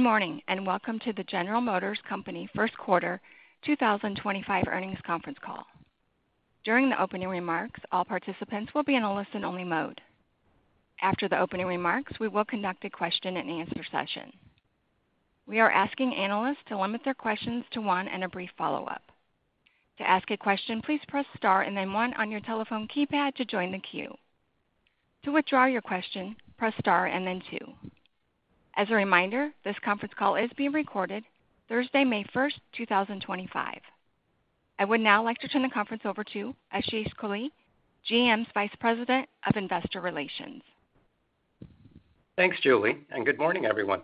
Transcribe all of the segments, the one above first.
Good morning and welcome to the General Motors Company First Quarter 2025 Earnings Conference Call. During the opening remarks, all participants will be in a listen-only mode. After the opening remarks, we will conduct a question-and-answer session. We are asking analysts to limit their questions to one and a brief follow-up. To ask a question, please press star and then one on your telephone keypad to join the queue. To withdraw your question, press star and then two. As a reminder, this conference call is being recorded, Thursday, May 1st, 2025. I would now like to turn the conference over to Ashish Kohli, GM's Vice President of Investor Relations. Thanks, Julie, and good morning, everyone.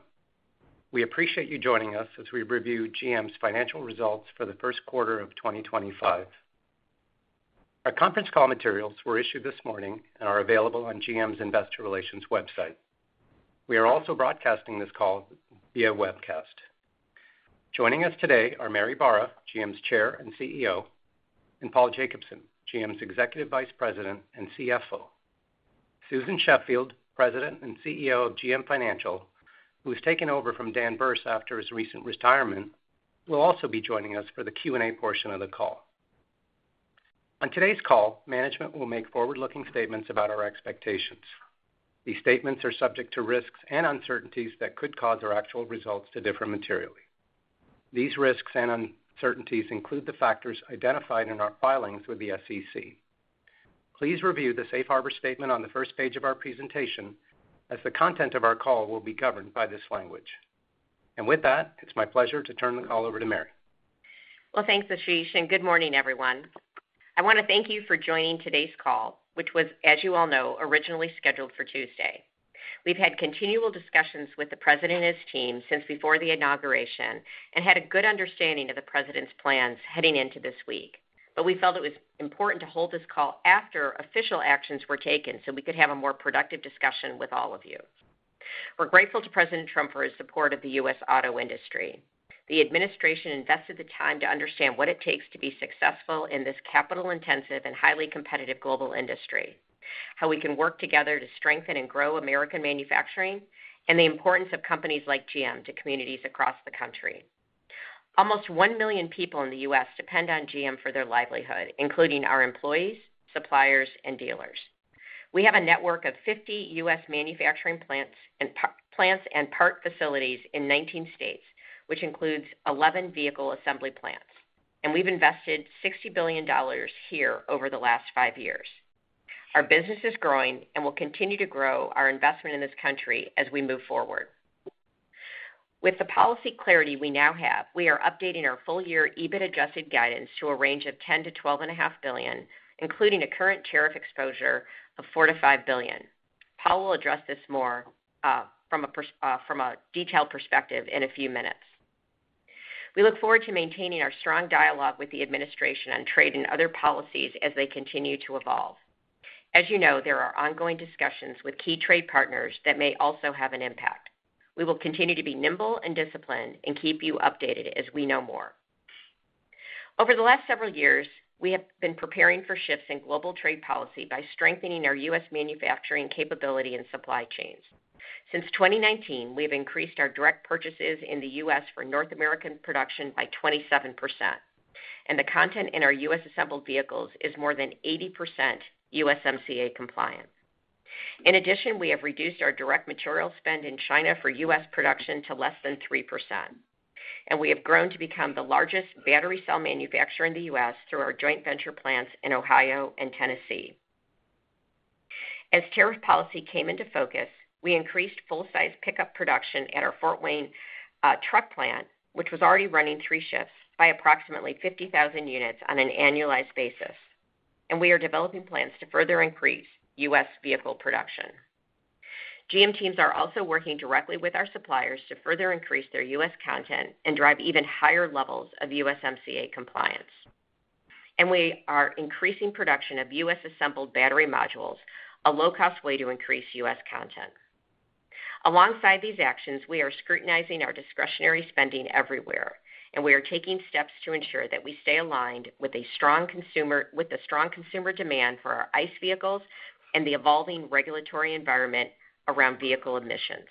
We appreciate you joining us as we review GM's financial results for the first quarter of 2025. Our conference call materials were issued this morning and are available on GM's Investor Relations website. We are also broadcasting this call via webcast. Joining us today are Mary Barra, GM's Chair and CEO, and Paul Jacobson, GM's Executive Vice President and CFO. Susan Sheffield, President and CEO of GM Financial, who has taken over from Dan Burse after his recent retirement, will also be joining us for the Q&A portion of the call. On today's call, management will make forward-looking statements about our expectations. These statements are subject to risks and uncertainties that could cause our actual results to differ materially. These risks and uncertainties include the factors identified in our filings with the SEC. Please review the Safe Harbor statement on the first page of our presentation, as the content of our call will be governed by this language. It is my pleasure to turn the call over to Mary. Thanks, Ashish, and good morning, everyone. I want to thank you for joining today's call, which was, as you all know, originally scheduled for Tuesday. We have had continual discussions with the President and his team since before the inauguration and had a good understanding of the President's plans heading into this week. We felt it was important to hold this call after official actions were taken so we could have a more productive discussion with all of you. We are grateful to President Trump for his support of the U.S. auto industry. The administration invested the time to understand what it takes to be successful in this capital-intensive and highly competitive global industry, how we can work together to strengthen and grow American manufacturing, and the importance of companies like GM to communities across the country. Almost one million people in the U.S. depend on GM for their livelihood, including our employees, suppliers, and dealers. We have a network of 50 U.S. manufacturing plants and part facilities in 19 states, which includes 11 vehicle assembly plants. We have invested $60 billion here over the last five years. Our business is growing and will continue to grow our investment in this country as we move forward. With the policy clarity we now have, we are updating our full-year EBIT-adjusted guidance to a range of $10 billion-$12.5 billion, including a current tariff exposure of $4 billion-$5 billion. Paul will address this more from a detailed perspective in a few minutes. We look forward to maintaining our strong dialogue with the administration on trade and other policies as they continue to evolve. As you know, there are ongoing discussions with key trade partners that may also have an impact. We will continue to be nimble and disciplined and keep you updated as we know more. Over the last several years, we have been preparing for shifts in global trade policy by strengthening our U.S. manufacturing capability and supply chains. Since 2019, we have increased our direct purchases in the U.S. for North American production by 27%, and the content in our U.S. assembled vehicles is more than 80% USMCA compliant. In addition, we have reduced our direct material spend in China for U.S. production to less than 3%. We have grown to become the largest battery cell manufacturer in the U.S. through our joint venture plants in Ohio and Tennessee. As tariff policy came into focus, we increased full-size pickup production at our Fort Wayne truck plant, which was already running three shifts, by approximately 50,000 units on an annualized basis. We are developing plans to further increase U.S. vehicle production. GM teams are also working directly with our suppliers to further increase their U.S. content and drive even higher levels of USMCA compliance. We are increasing production of U.S. assembled battery modules, a low-cost way to increase U.S. content. Alongside these actions, we are scrutinizing our discretionary spending everywhere, and we are taking steps to ensure that we stay aligned with strong consumer demand for our ICE vehicles and the evolving regulatory environment around vehicle emissions.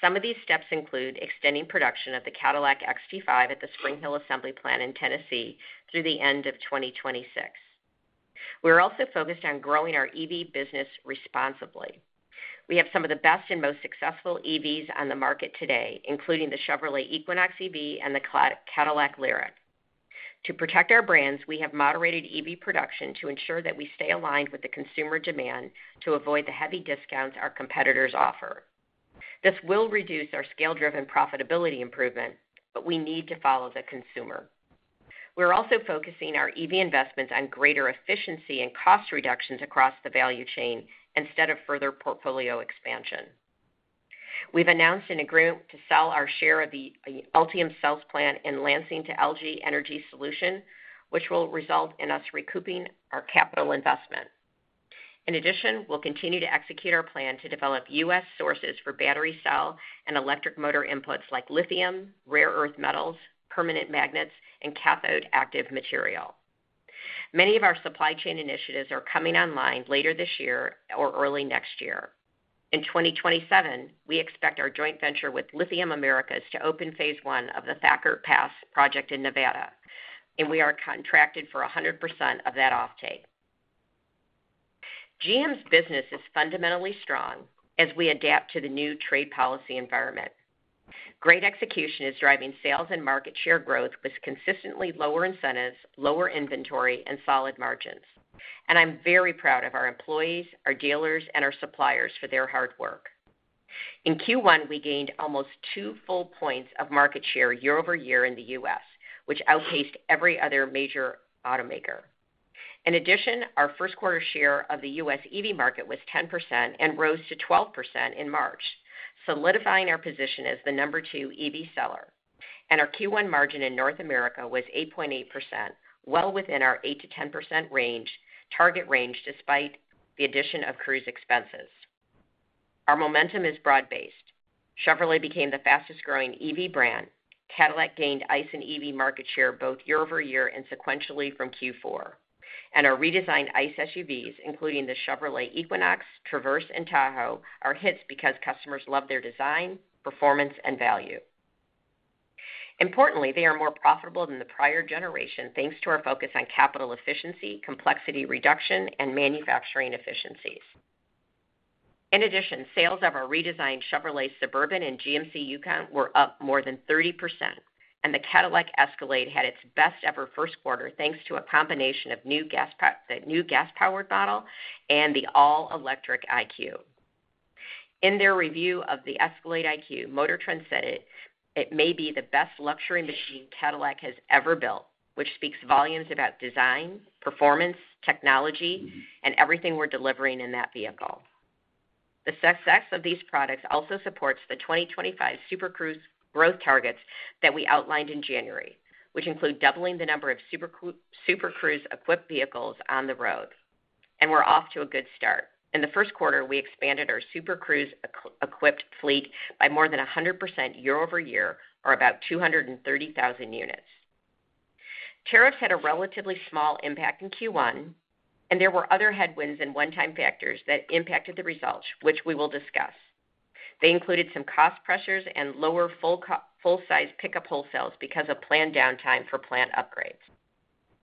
Some of these steps include extending production of the Cadillac XT5 at the Spring Hill Assembly Plant in Tennessee through the end of 2026. We are also focused on growing our EV business responsibly. We have some of the best and most successful EVs on the market today, including the Chevrolet Equinox EV and the Cadillac LYRIQ. To protect our brands, we have moderated EV production to ensure that we stay aligned with the consumer demand to avoid the heavy discounts our competitors offer. This will reduce our scale-driven profitability improvement, but we need to follow the consumer. We are also focusing our EV investments on greater efficiency and cost reductions across the value chain instead of further portfolio expansion. We have announced an agreement to sell our share of the Ultium Cells plant in Lansing to LG Energy Solution, which will result in us recouping our capital investment. In addition, we will continue to execute our plan to develop U.S. sources for battery cell and electric motor inputs like lithium, rare earth metals, permanent magnets, and cathode-active material. Many of our supply chain initiatives are coming online later this year or early next year. In 2027, we expect our joint venture with Lithium Americas to open phase one of the Thacker Pass project in Nevada, and we are contracted for 100% of that offtake. GM's business is fundamentally strong as we adapt to the new trade policy environment. Great execution is driving sales and market share growth with consistently lower incentives, lower inventory, and solid margins. I am very proud of our employees, our dealers, and our suppliers for their hard work. In Q1, we gained almost two full percentage points of market share year-over-year in the U.S., which outpaced every other major automaker. In addition, our first-quarter share of the U.S. EV market was 10% and rose to 12% in March, solidifying our position as the number two EV seller. Our Q1 margin in North America was 8.8%, well within our 8%-10% target range despite the addition of Cruise expenses. Our momentum is broad-based. Chevrolet became the fastest-growing EV brand. Cadillac gained ICE and EV market share both year-over-year and sequentially from Q4. Our redesigned ICE SUVs, including the Chevrolet Equinox, Traverse, and Tahoe, are hits because customers love their design, performance, and value. Importantly, they are more profitable than the prior generation thanks to our focus on capital efficiency, complexity reduction, and manufacturing efficiencies. In addition, sales of our redesigned Chevrolet Suburban and GMC Yukon were up more than 30%, and the Cadillac Escalade had its best-ever first quarter thanks to a combination of the new gas-powered model and the all-electric IQ. In their review of theESCALADE IQ, MotorTrend said it may be the best luxury machine Cadillac has ever built, which speaks volumes about design, performance, technology, and everything we're delivering in that vehicle. The success of these products also supports the 2025 Super Cruise growth targets that we outlined in January, which include doubling the number of Super Cruise-equipped vehicles on the road. We're off to a good start. In the first quarter, we expanded our Super Cruise-equipped fleet by more than 100% year-over-year, or about 230,000 units. Tariffs had a relatively small impact in Q1, and there were other headwinds and one-time factors that impacted the results, which we will discuss. They included some cost pressures and lower full-size pickup wholesales because of planned downtime for plant upgrades.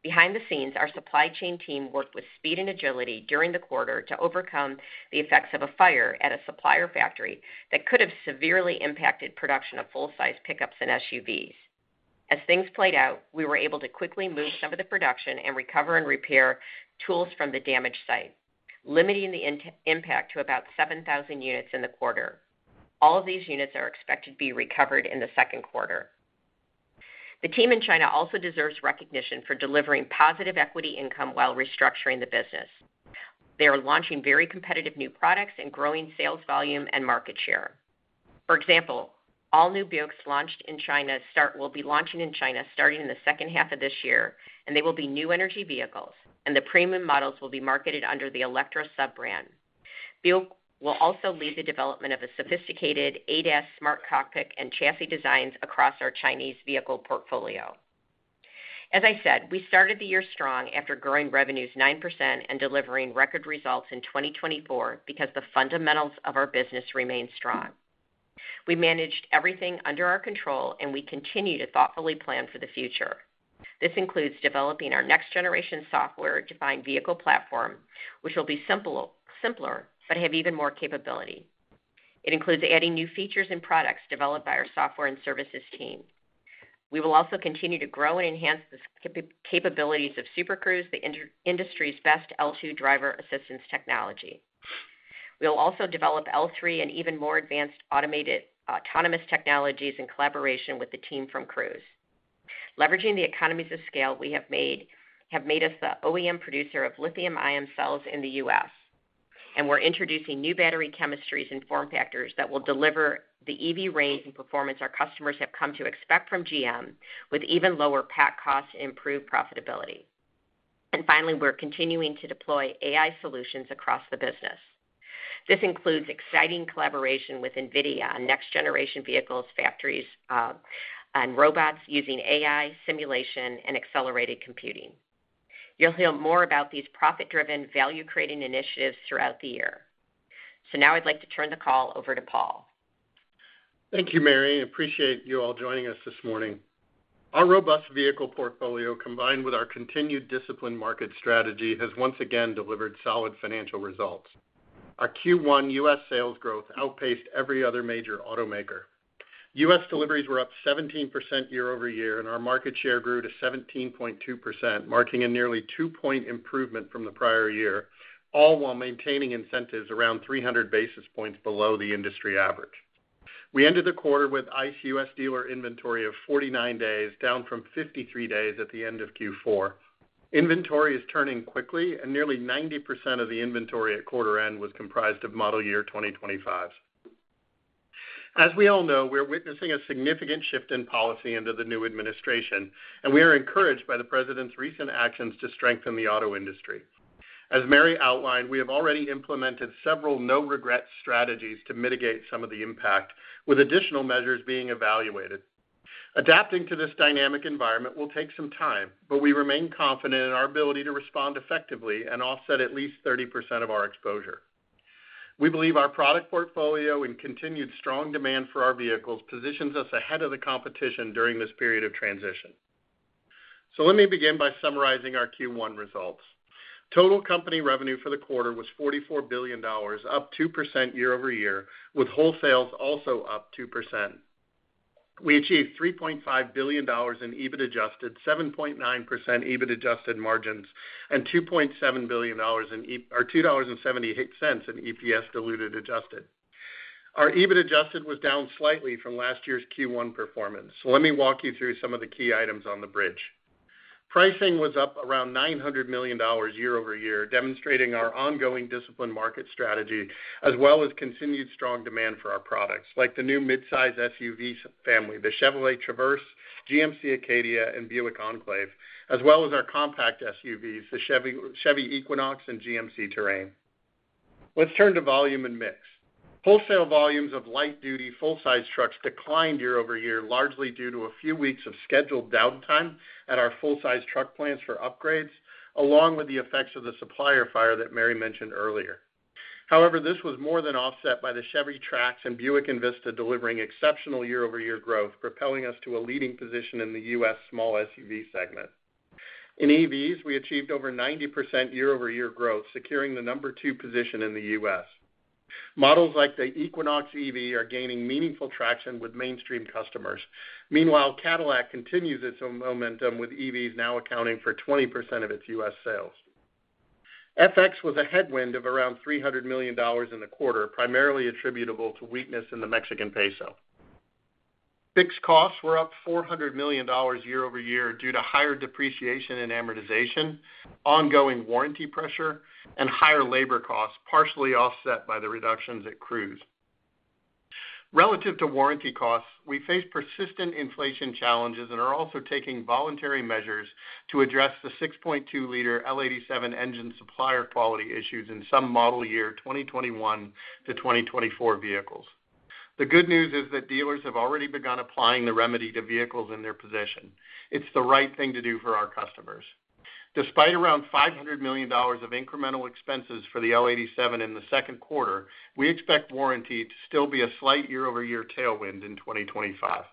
Behind the scenes, our supply chain team worked with speed and agility during the quarter to overcome the effects of a fire at a supplier factory that could have severely impacted production of full-size pickups and SUVs. As things played out, we were able to quickly move some of the production and recover and repair tools from the damaged site, limiting the impact to about 7,000 units in the quarter. All of these units are expected to be recovered in the second quarter. The team in China also deserves recognition for delivering positive equity income while restructuring the business. They are launching very competitive new products and growing sales volume and market share. For example, all new Buicks launched in China will be launching in China starting in the second half of this year, and they will be new energy vehicles, and the premium models will be marketed under the Electra sub-brand. Buick will also lead the development of a sophisticated 8S smart cockpit and chassis designs across our Chinese vehicle portfolio. As I said, we started the year strong after growing revenues 9% and delivering record results in 2024 because the fundamentals of our business remain strong. We managed everything under our control, and we continue to thoughtfully plan for the future. This includes developing our next-generation software-defined vehicle platform, which will be simpler but have even more capability. It includes adding new features and products developed by our software and services team. We will also continue to grow and enhance the capabilities of Super Cruise, the industry's best L2 Driver Assistance technology. We will also develop L3 and even more advanced autonomous technologies in collaboration with the team from Cruise. Leveraging the economies of scale, we have made us the OEM producer of lithium-ion cells in the U.S. We are introducing new battery chemistries and form factors that will deliver the EV range and performance our customers have come to expect from GM, with even lower pack costs and improved profitability. Finally, we are continuing to deploy AI solutions across the business. This includes exciting collaboration with NVIDIA on next-generation vehicles, factories, and robots using AI simulation and accelerated computing. You will hear more about these profit-driven, value-creating initiatives throughout the year. Now I would like to turn the call over to Paul. Thank you, Mary. Appreciate you all joining us this morning. Our robust vehicle portfolio, combined with our continued discipline market strategy, has once again delivered solid financial results. Our Q1 U.S. sales growth outpaced every other major automaker. U.S. deliveries were up 17% year-over-year, and our market share grew to 17.2%, marking a nearly two-point improvement from the prior year, all while maintaining incentives around 300 basis points below the industry average. We ended the quarter with ICE U.S. dealer inventory of 49 days, down from 53 days at the end of Q4. Inventory is turning quickly, and nearly 90% of the inventory at quarter end was comprised of model year 2025. As we all know, we're witnessing a significant shift in policy under the new administration, and we are encouraged by the President's recent actions to strengthen the auto industry. As Mary outlined, we have already implemented several no-regrets strategies to mitigate some of the impact, with additional measures being evaluated. Adapting to this dynamic environment will take some time, but we remain confident in our ability to respond effectively and offset at least 30% of our exposure. We believe our product portfolio and continued strong demand for our vehicles positions us ahead of the competition during this period of transition. Let me begin by summarizing our Q1 results. Total company revenue for the quarter was $44 billion, up 2% year-over-year, with wholesales also up 2%. We achieved $3.5 billion in EBIT-adjusted, 7.9% EBIT-adjusted margins, and $2.7 billion or $2.78 in EPS diluted adjusted. Our EBIT-adjusted was down slightly from last year's Q1 performance. Let me walk you through some of the key items on the bridge. Pricing was up around $900 million year-over-year, demonstrating our ongoing discipline market strategy, as well as continued strong demand for our products, like the new midsize SUV family, the Chevrolet Traverse, GMC Acadia, and Buick Enclave, as well as our compact SUVs, the Chevy Equinox and GMC Terrain. Let's turn to volume and mix. Wholesale volumes of light-duty full-size trucks declined year-over-year, largely due to a few weeks of scheduled downtime at our full-size truck plants for upgrades, along with the effects of the supplier fire that Mary mentioned earlier. However, this was more than offset by the Chevy Trax and Buick Envista delivering exceptional year-over-year growth, propelling us to a leading position in the U.S. small SUV segment. In EVs, we achieved over 90% year-over-year growth, securing the number two position in the U.S. Models like the Equinox EV are gaining meaningful traction with mainstream customers. Meanwhile, Cadillac continues its momentum with EVs now accounting for 20% of its U.S. sales. FX was a headwind of around $300 million in the quarter, primarily attributable to weakness in the Mexican peso. Fixed costs were up $400 million year-over-year due to higher depreciation and amortization, ongoing warranty pressure, and higher labor costs, partially offset by the reductions at Cruise. Relative to warranty costs, we face persistent inflation challenges and are also taking voluntary measures to address the 6.2 L L87 engine supplier quality issues in some model year 2021 to 2024 vehicles. The good news is that dealers have already begun applying the remedy to vehicles in their position. It's the right thing to do for our customers. Despite around $500 million of incremental expenses for the L87 in the second quarter, we expect warranty to still be a slight year-over-year tailwind in 2025.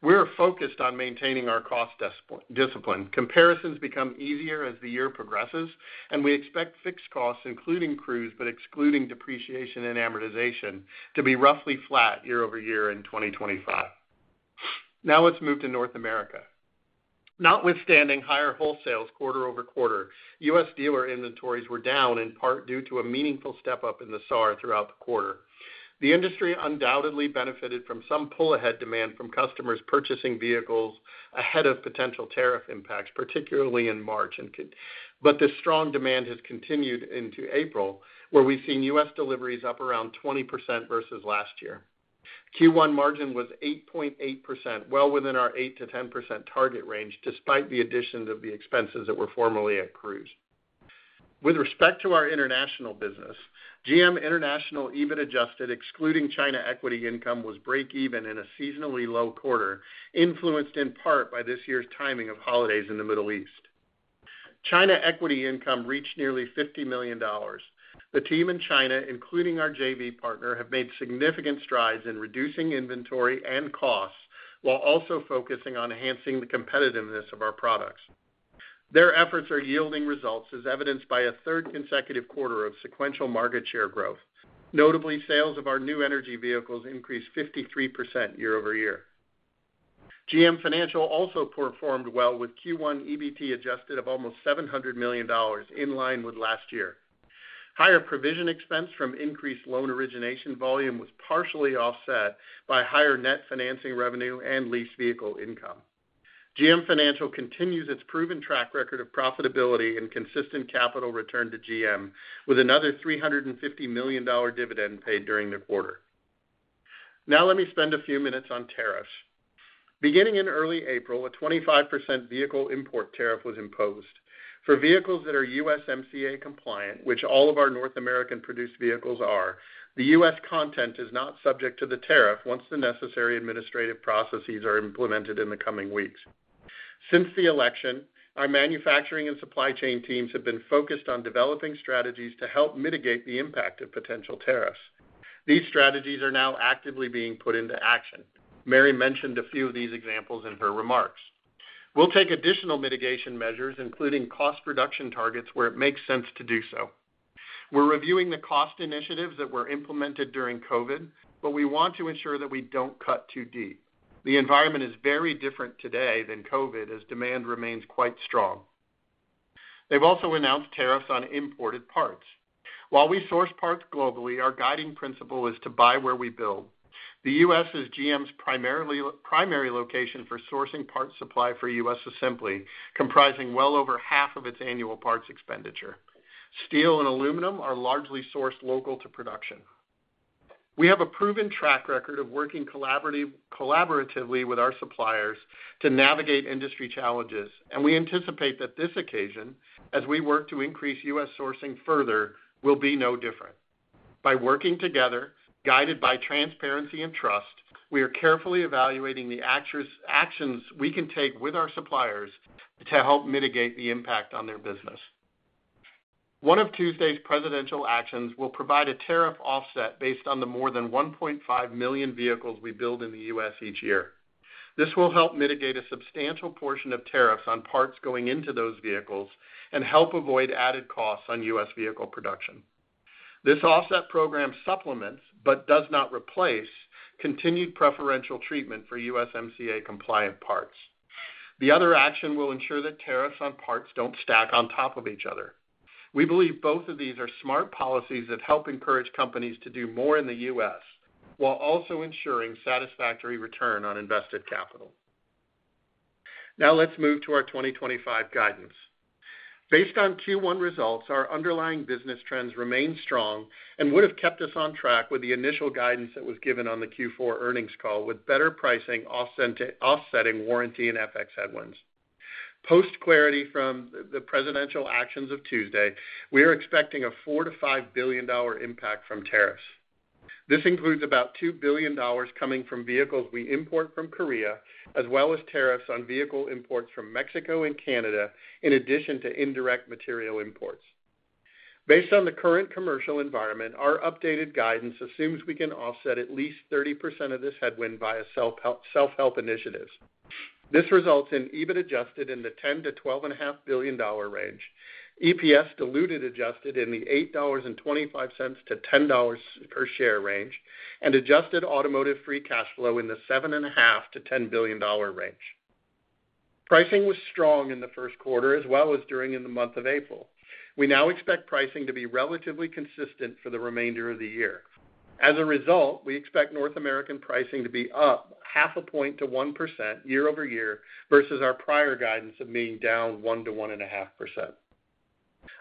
We're focused on maintaining our cost discipline. Comparisons become easier as the year progresses, and we expect fixed costs, including Cruise but excluding depreciation and amortization, to be roughly flat year-over-year in 2025. Now let's move to North America. Notwithstanding higher wholesales quarter-over-quarter, U.S. dealer inventories were down in part due to a meaningful step up in the SAAR throughout the quarter. The industry undoubtedly benefited from some pull-ahead demand from customers purchasing vehicles ahead of potential tariff impacts, particularly in March. The strong demand has continued into April, where we've seen U.S. deliveries up around 20% versus last year. Q1 margin was 8.8%, well within our 8%-10% target range despite the addition of the expenses that were formerly at Cruise. With respect to our international business, GM International EBIT-adjusted, excluding China equity income, was break-even in a seasonally low quarter, influenced in part by this year's timing of holidays in the Middle East. China equity income reached nearly $50 million. The team in China, including our JV partner, have made significant strides in reducing inventory and costs while also focusing on enhancing the competitiveness of our products. Their efforts are yielding results, as evidenced by a third consecutive quarter of sequential market share growth. Notably, sales of our new energy vehicles increased 53% year-over-year. GM Financial also performed well with Q1 EBIT-adjusted of almost $700 million, in line with last year. Higher provision expense from increased loan origination volume was partially offset by higher net financing revenue and lease vehicle income. GM Financial continues its proven track record of profitability and consistent capital return to GM, with another $350 million dividend paid during the quarter. Now let me spend a few minutes on tariffs. Beginning in early April, a 25% vehicle import tariff was imposed. For vehicles that are USMCA compliant, which all of our North American-produced vehicles are, the U.S. content is not subject to the tariff once the necessary administrative processes are implemented in the coming weeks. Since the election, our manufacturing and supply chain teams have been focused on developing strategies to help mitigate the impact of potential tariffs. These strategies are now actively being put into action. Mary mentioned a few of these examples in her remarks. We'll take additional mitigation measures, including cost reduction targets, where it makes sense to do so. We're reviewing the cost initiatives that were implemented during COVID, but we want to ensure that we don't cut too deep. The environment is very different today than COVID, as demand remains quite strong. They've also announced tariffs on imported parts. While we source parts globally, our guiding principle is to buy where we build. The U.S. is GM's primary location for sourcing parts supply for U.S. assembly, comprising well over half of its annual parts expenditure. Steel and aluminum are largely sourced local to production. We have a proven track record of working collaboratively with our suppliers to navigate industry challenges, and we anticipate that this occasion, as we work to increase U.S. sourcing further, will be no different. By working together, guided by transparency and trust, we are carefully evaluating the actions we can take with our suppliers to help mitigate the impact on their business. One of Tuesday's presidential actions will provide a tariff offset based on the more than 1.5 million vehicles we build in the U.S. each year. This will help mitigate a substantial portion of tariffs on parts going into those vehicles and help avoid added costs on U.S. vehicle production. This offset program supplements but does not replace continued preferential treatment for USMCA-compliant parts. The other action will ensure that tariffs on parts do not stack on top of each other. We believe both of these are smart policies that help encourage companies to do more in the U.S. while also ensuring satisfactory return on invested capital. Now let's move to our 2025 guidance. Based on Q1 results, our underlying business trends remain strong and would have kept us on track with the initial guidance that was given on the Q4 earnings call with better pricing offsetting warranty and FX headwinds. Post clarity from the presidential actions of Tuesday, we are expecting a $4 billion-$5 billion impact from tariffs. This includes about $2 billion coming from vehicles we import from Korea, as well as tariffs on vehicle imports from Mexico and Canada, in addition to indirect material imports. Based on the current commercial environment, our updated guidance assumes we can offset at least 30% of this headwind via self-help initiatives. This results in EBIT-adjusted in the $10 billion-$12.5 billion range, EPS diluted adjusted in the $8.25-$10 per share range, and adjusted automotive free cash flow in the $7.5 billion-$10 billion range. Pricing was strong in the first quarter, as well as during the month of April. We now expect pricing to be relatively consistent for the remainder of the year. As a result, we expect North American pricing to be up half a point to 1% year-over-year versus our prior guidance of being down 1%-1.5%.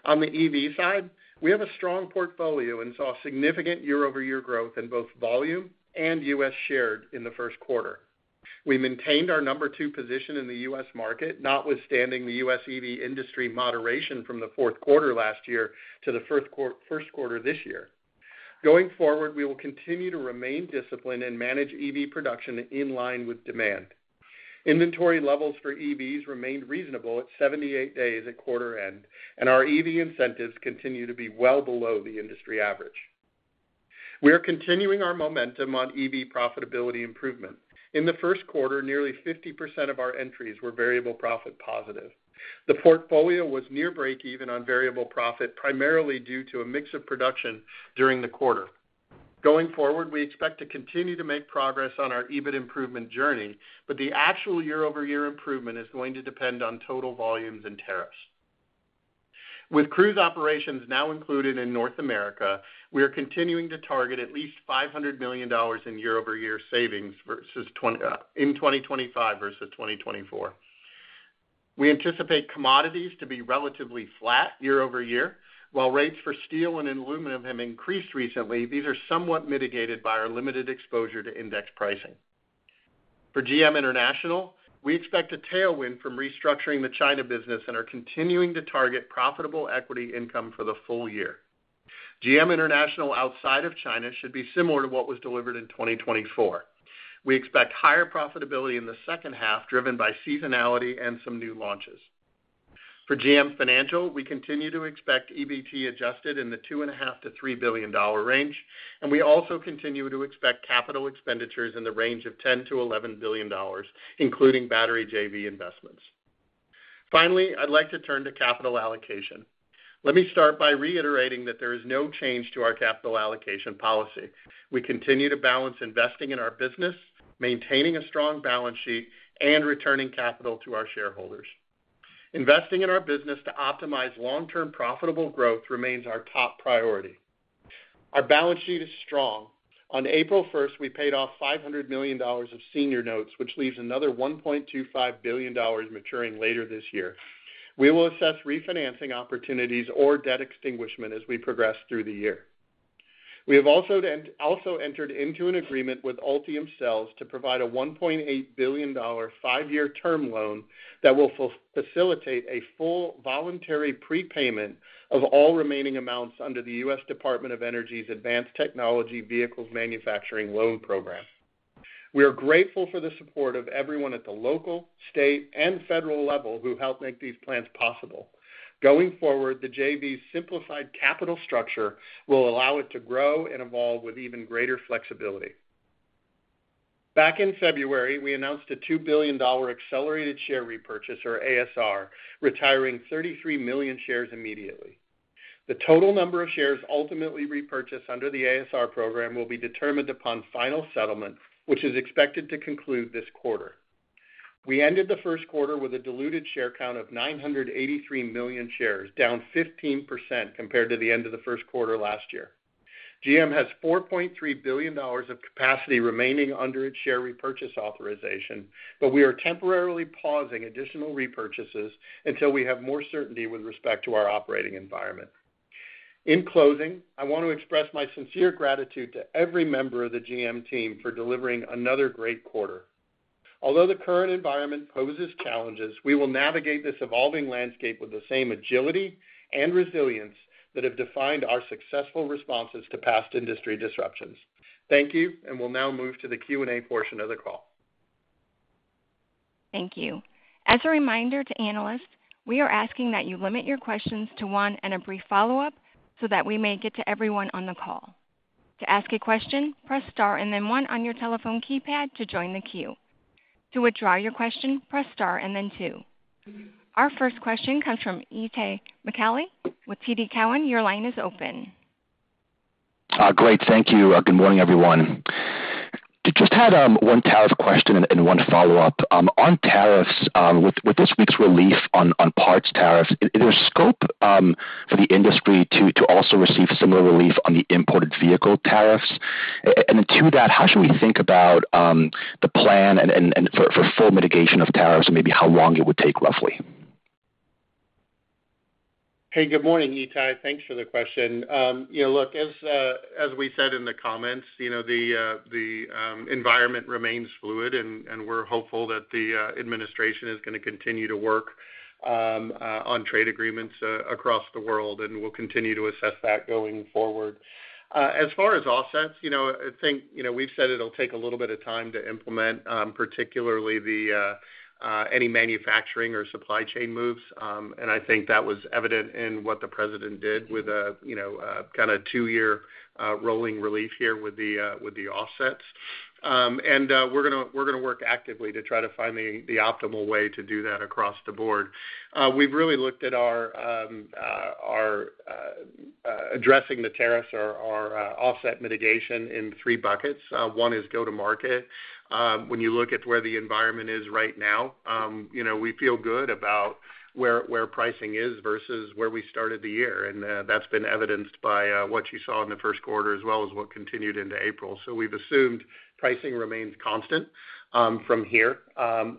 On the EV side, we have a strong portfolio and saw significant year-over-year growth in both volume and U.S. share in the first quarter. We maintained our number two position in the U.S. market, notwithstanding the U.S. EV industry moderation from the fourth quarter last year to the first quarter this year. Going forward, we will continue to remain disciplined and manage EV production in line with demand. Inventory levels for EVs remained reasonable at 78 days at quarter end, and our EV incentives continue to be well below the industry average. We are continuing our momentum on EV profitability improvement. In the first quarter, nearly 50% of our entries were variable profit positive. The portfolio was near break-even on variable profit, primarily due to a mix of production during the quarter. Going forward, we expect to continue to make progress on our EBIT improvement journey, but the actual year-over-year improvement is going to depend on total volumes and tariffs. With Cruise operations now included in North America, we are continuing to target at least $500 million in year-over-year savings in 2025 versus 2024. We anticipate commodities to be relatively flat year-over-year. While rates for steel and aluminum have increased recently, these are somewhat mitigated by our limited exposure to index pricing. For GM International, we expect a tailwind from restructuring the China business and are continuing to target profitable equity income for the full year. GM International outside of China should be similar to what was delivered in 2024. We expect higher profitability in the second half, driven by seasonality and some new launches. For GM Financial, we continue to expect EBIT-adjusted in the $2.5 billion-$3 billion range, and we also continue to expect capital expenditures in the range of $10 billion-$11 billion, including battery JV investments. Finally, I'd like to turn to capital allocation. Let me start by reiterating that there is no change to our capital allocation policy. We continue to balance investing in our business, maintaining a strong balance sheet, and returning capital to our shareholders. Investing in our business to optimize long-term profitable growth remains our top priority. Our balance sheet is strong. On April 1st, we paid off $500 million of senior notes, which leaves another $1.25 billion maturing later this year. We will assess refinancing opportunities or debt extinguishment as we progress through the year. We have also entered into an agreement with Ultium Cells to provide a $1.8 billion five-year term loan that will facilitate a full voluntary prepayment of all remaining amounts under the U.S. Department of Energy's Advanced Technology Vehicles Manufacturing Loan Program. We are grateful for the support of everyone at the local, state, and federal level who helped make these plans possible. Going forward, the JV's simplified capital structure will allow it to grow and evolve with even greater flexibility. Back in February, we announced a $2 billion accelerated share repurchase, or ASR, retiring 33 million shares immediately. The total number of shares ultimately repurchased under the ASR program will be determined upon final settlement, which is expected to conclude this quarter. We ended the first quarter with a diluted share count of 983 million shares, down 15% compared to the end of the first quarter last year. GM has $4.3 billion of capacity remaining under its share repurchase authorization, but we are temporarily pausing additional repurchases until we have more certainty with respect to our operating environment. In closing, I want to express my sincere gratitude to every member of the GM team for delivering another great quarter. Although the current environment poses challenges, we will navigate this evolving landscape with the same agility and resilience that have defined our successful responses to past industry disruptions. Thank you, and we'll now move to the Q&A portion of the call. Thank you. As a reminder to analysts, we are asking that you limit your questions to one and a brief follow-up so that we may get to everyone on the call. To ask a question, press star and then one on your telephone keypad to join the queue. To withdraw your question, press star and then two. Our first question comes from Itay Michaeli with TD Cowen. Your line is open. Great. Thank you. Good morning, everyone. Just had one tariff question and one follow-up. On tariffs, with this week's relief on parts tariffs, is there scope for the industry to also receive similar relief on the imported vehicle tariffs? And to that, how should we think about the plan for full mitigation of tariffs and maybe how long it would take roughly? Hey, good morning, Itay. Thanks for the question. Look, as we said in the comments, the environment remains fluid, and we're hopeful that the administration is going to continue to work on trade agreements across the world, and we'll continue to assess that going forward. As far as offsets, I think we've said it'll take a little bit of time to implement, particularly any manufacturing or supply chain moves. I think that was evident in what the president did with a kind of two-year rolling relief here with the offsets. We're going to work actively to try to find the optimal way to do that across the board. We've really looked at our addressing the tariffs, our offset mitigation in three buckets. One is go-to-market. When you look at where the environment is right now, we feel good about where pricing is versus where we started the year. That's been evidenced by what you saw in the first quarter, as well as what continued into April. We've assumed pricing remains constant from here.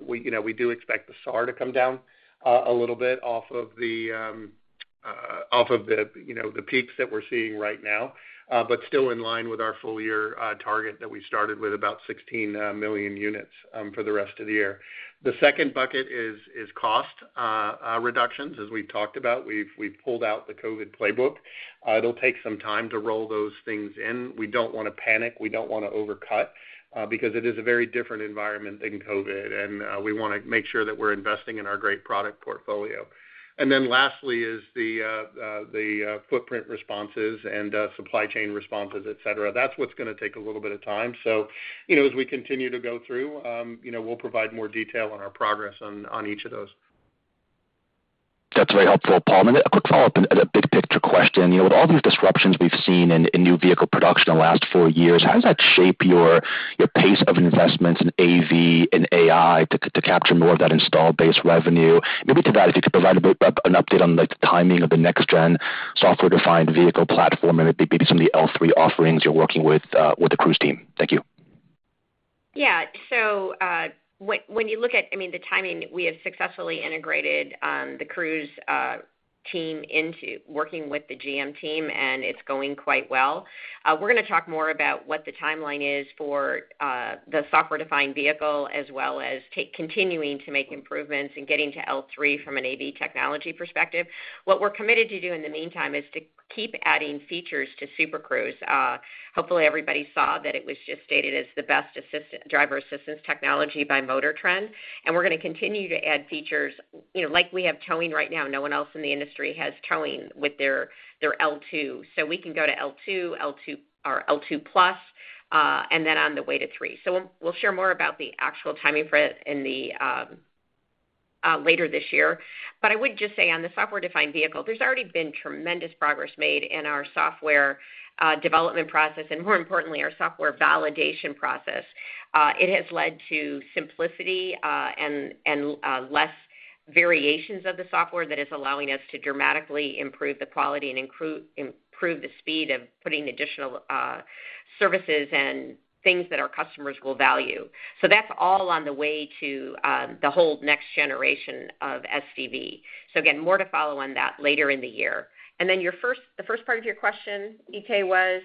We do expect the SAAR to come down a little bit off of the peaks that we're seeing right now, but still in line with our full-year target that we started with, about 16 million units for the rest of the year. The second bucket is cost reductions. As we've talked about, we've pulled out the COVID playbook. It'll take some time to roll those things in. We don't want to panic. We don't want to overcut because it is a very different environment than COVID, and we want to make sure that we're investing in our great product portfolio. Lastly is the footprint responses and supply chain responses, etc. That's what's going to take a little bit of time. As we continue to go through, we'll provide more detail on our progress on each of those. That's very helpful, Paul. A quick follow-up and a big picture question. With all these disruptions we've seen in new vehicle production in the last four years, how does that shape your pace of investments in AV and AI to capture more of that installed-based revenue? Maybe to that, if you could provide an update on the timing of the next-gen software-defined vehicle platform and maybe some of the L3 offerings you're working with the Cruise team. Thank you. Yeah. When you look at, I mean, the timing, we have successfully integrated the Cruise team into working with the GM team, and it's going quite well. We're going to talk more about what the timeline is for the software-defined vehicle, as well as continuing to make improvements and getting to L3 from an AV technology perspective. What we're committed to do in the meantime is to keep adding features to Super Cruise. Hopefully, everybody saw that it was just stated as the best driver assistance technology by MotorTrend, and we're going to continue to add features. Like we have towing right now, no one else in the industry has towing with their L2. We can go to L2 or L2+ and then on the way to 3. We'll share more about the actual timing for it later this year. I would just say on the software-defined vehicle, there's already been tremendous progress made in our software development process and, more importantly, our software validation process. It has led to simplicity and less variations of the software that is allowing us to dramatically improve the quality and improve the speed of putting additional services and things that our customers will value. That's all on the way to the whole next generation of SDV. Again, more to follow on that later in the year. The first part of your question, ETA, was?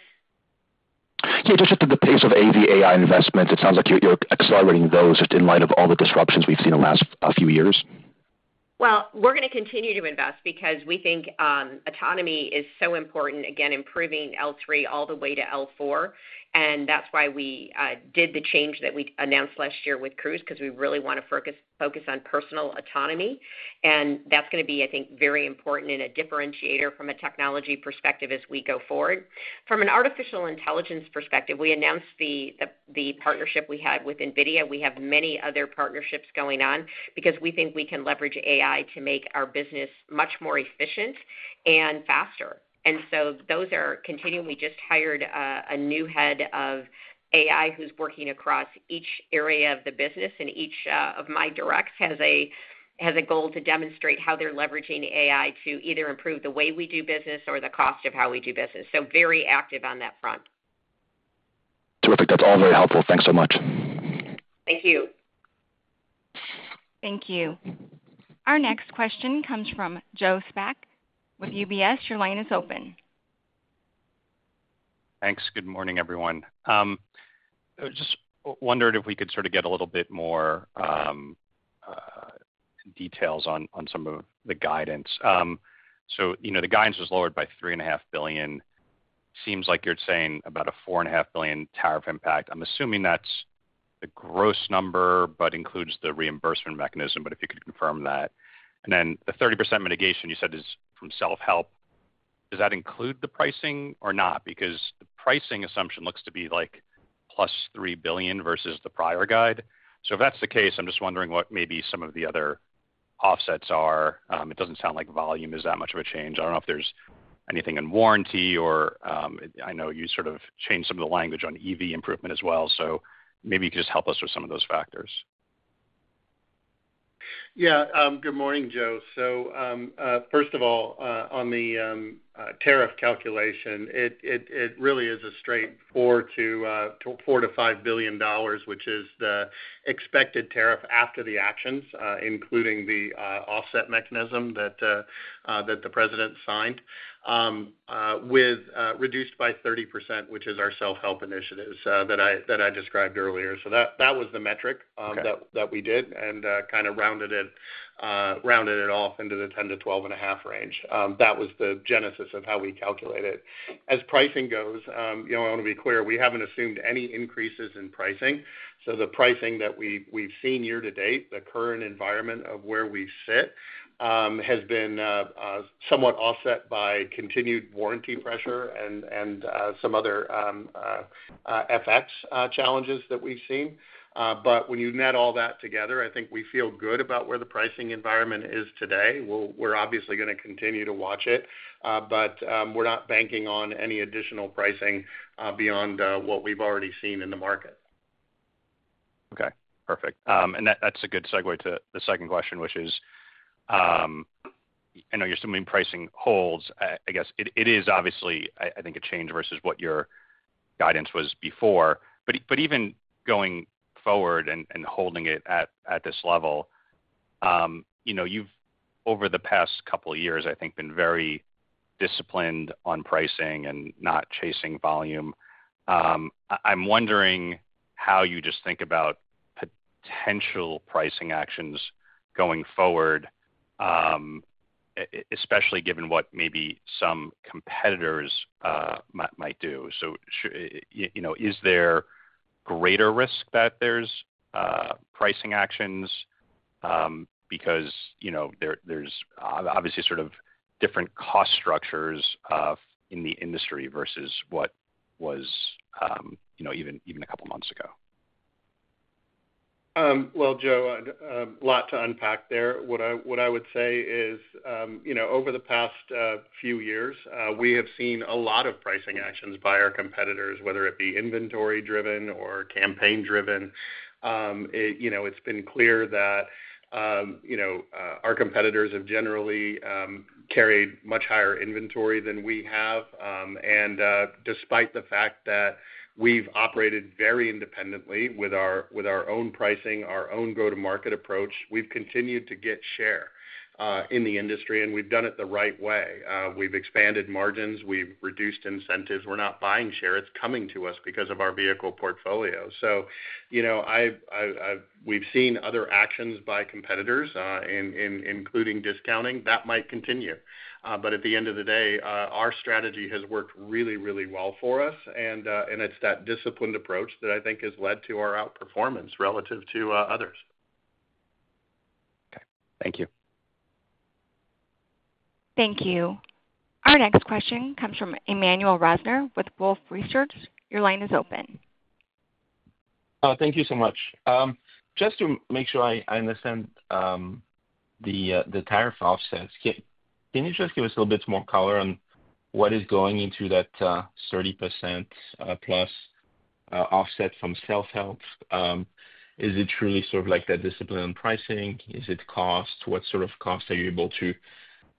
Yeah, just at the pace of AV AI investments, it sounds like you're accelerating those just in light of all the disruptions we've seen in the last few years. We're going to continue to invest because we think autonomy is so important, again, improving L3 all the way to L4. That's why we did the change that we announced last year with Cruise because we really want to focus on personal autonomy. That's going to be, I think, very important and a differentiator from a technology perspective as we go forward. From an artificial intelligence perspective, we announced the partnership we had with NVIDIA. We have many other partnerships going on because we think we can leverage AI to make our business much more efficient and faster. Those are continuing. We just hired a new head of AI who's working across each area of the business, and each of my directs has a goal to demonstrate how they're leveraging AI to either improve the way we do business or the cost of how we do business. Very active on that front. Terrific. That's all very helpful. Thanks so much. Thank you. Thank you. Our next question comes from Joe Spak with UBS. Your line is open. Thanks. Good morning, everyone. Just wondered if we could sort of get a little bit more details on some of the guidance. The guidance was lowered by $3.5 billion. Seems like you're saying about a $4.5 billion tariff impact. I'm assuming that's the gross number, but includes the reimbursement mechanism, but if you could confirm that. The 30% mitigation you said is from self-help. Does that include the pricing or not? Because the pricing assumption looks to be like plus $3 billion versus the prior guide. If that's the case, I'm just wondering what maybe some of the other offsets are. It doesn't sound like volume is that much of a change. I don't know if there's anything in warranty, or I know you sort of changed some of the language on EV improvement as well. Maybe you could just help us with some of those factors. Yeah. Good morning, Joe. First of all, on the tariff calculation, it really is a straight. $4 billion-$5 billion, which is the expected tariff after the actions, including the offset mechanism that the president signed, reduced by 30%, which is our self-help initiatives that I described earlier. That was the metric that we did and kind of rounded it off into the $10 billion-$12.5 billion range. That was the genesis of how we calculate it. As pricing goes, I want to be clear. We haven't assumed any increases in pricing. The pricing that we've seen year to date, the current environment of where we sit, has been somewhat offset by continued warranty pressure and some other FX challenges that we've seen. When you net all that together, I think we feel good about where the pricing environment is today. We're obviously going to continue to watch it, but we're not banking on any additional pricing beyond what we've already seen in the market. Okay. Perfect. That's a good segue to the second question, which is, I know you're assuming pricing holds. I guess it is obviously, I think, a change versus what your guidance was before. Even going forward and holding it at this level, you've, over the past couple of years, I think, been very disciplined on pricing and not chasing volume. I'm wondering how you just think about potential pricing actions going forward, especially given what maybe some competitors might do. Is there greater risk that there's pricing actions because there's obviously sort of different cost structures in the industry versus what was even a couple of months ago? Joe, a lot to unpack there. What I would say is, over the past few years, we have seen a lot of pricing actions by our competitors, whether it be inventory-driven or campaign-driven. It's been clear that our competitors have generally carried much higher inventory than we have. Despite the fact that we've operated very independently with our own pricing, our own go-to-market approach, we've continued to get share in the industry, and we've done it the right way. We've expanded margins. We've reduced incentives. We're not buying share. It's coming to us because of our vehicle portfolio. We have seen other actions by competitors, including discounting. That might continue. At the end of the day, our strategy has worked really, really well for us. It's that disciplined approach that I think has led to our outperformance relative to others. Okay. Thank you. Thank you. Our next question comes from Emmanuel Rosner with Wolfe Research. Your line is open. Thank you so much. Just to make sure I understand the tariff offsets, can you just give us a little bit more color on what is going into that 30%+ offset from self-help? Is it truly sort of like that discipline on pricing? Is it cost? What sort of costs are you able to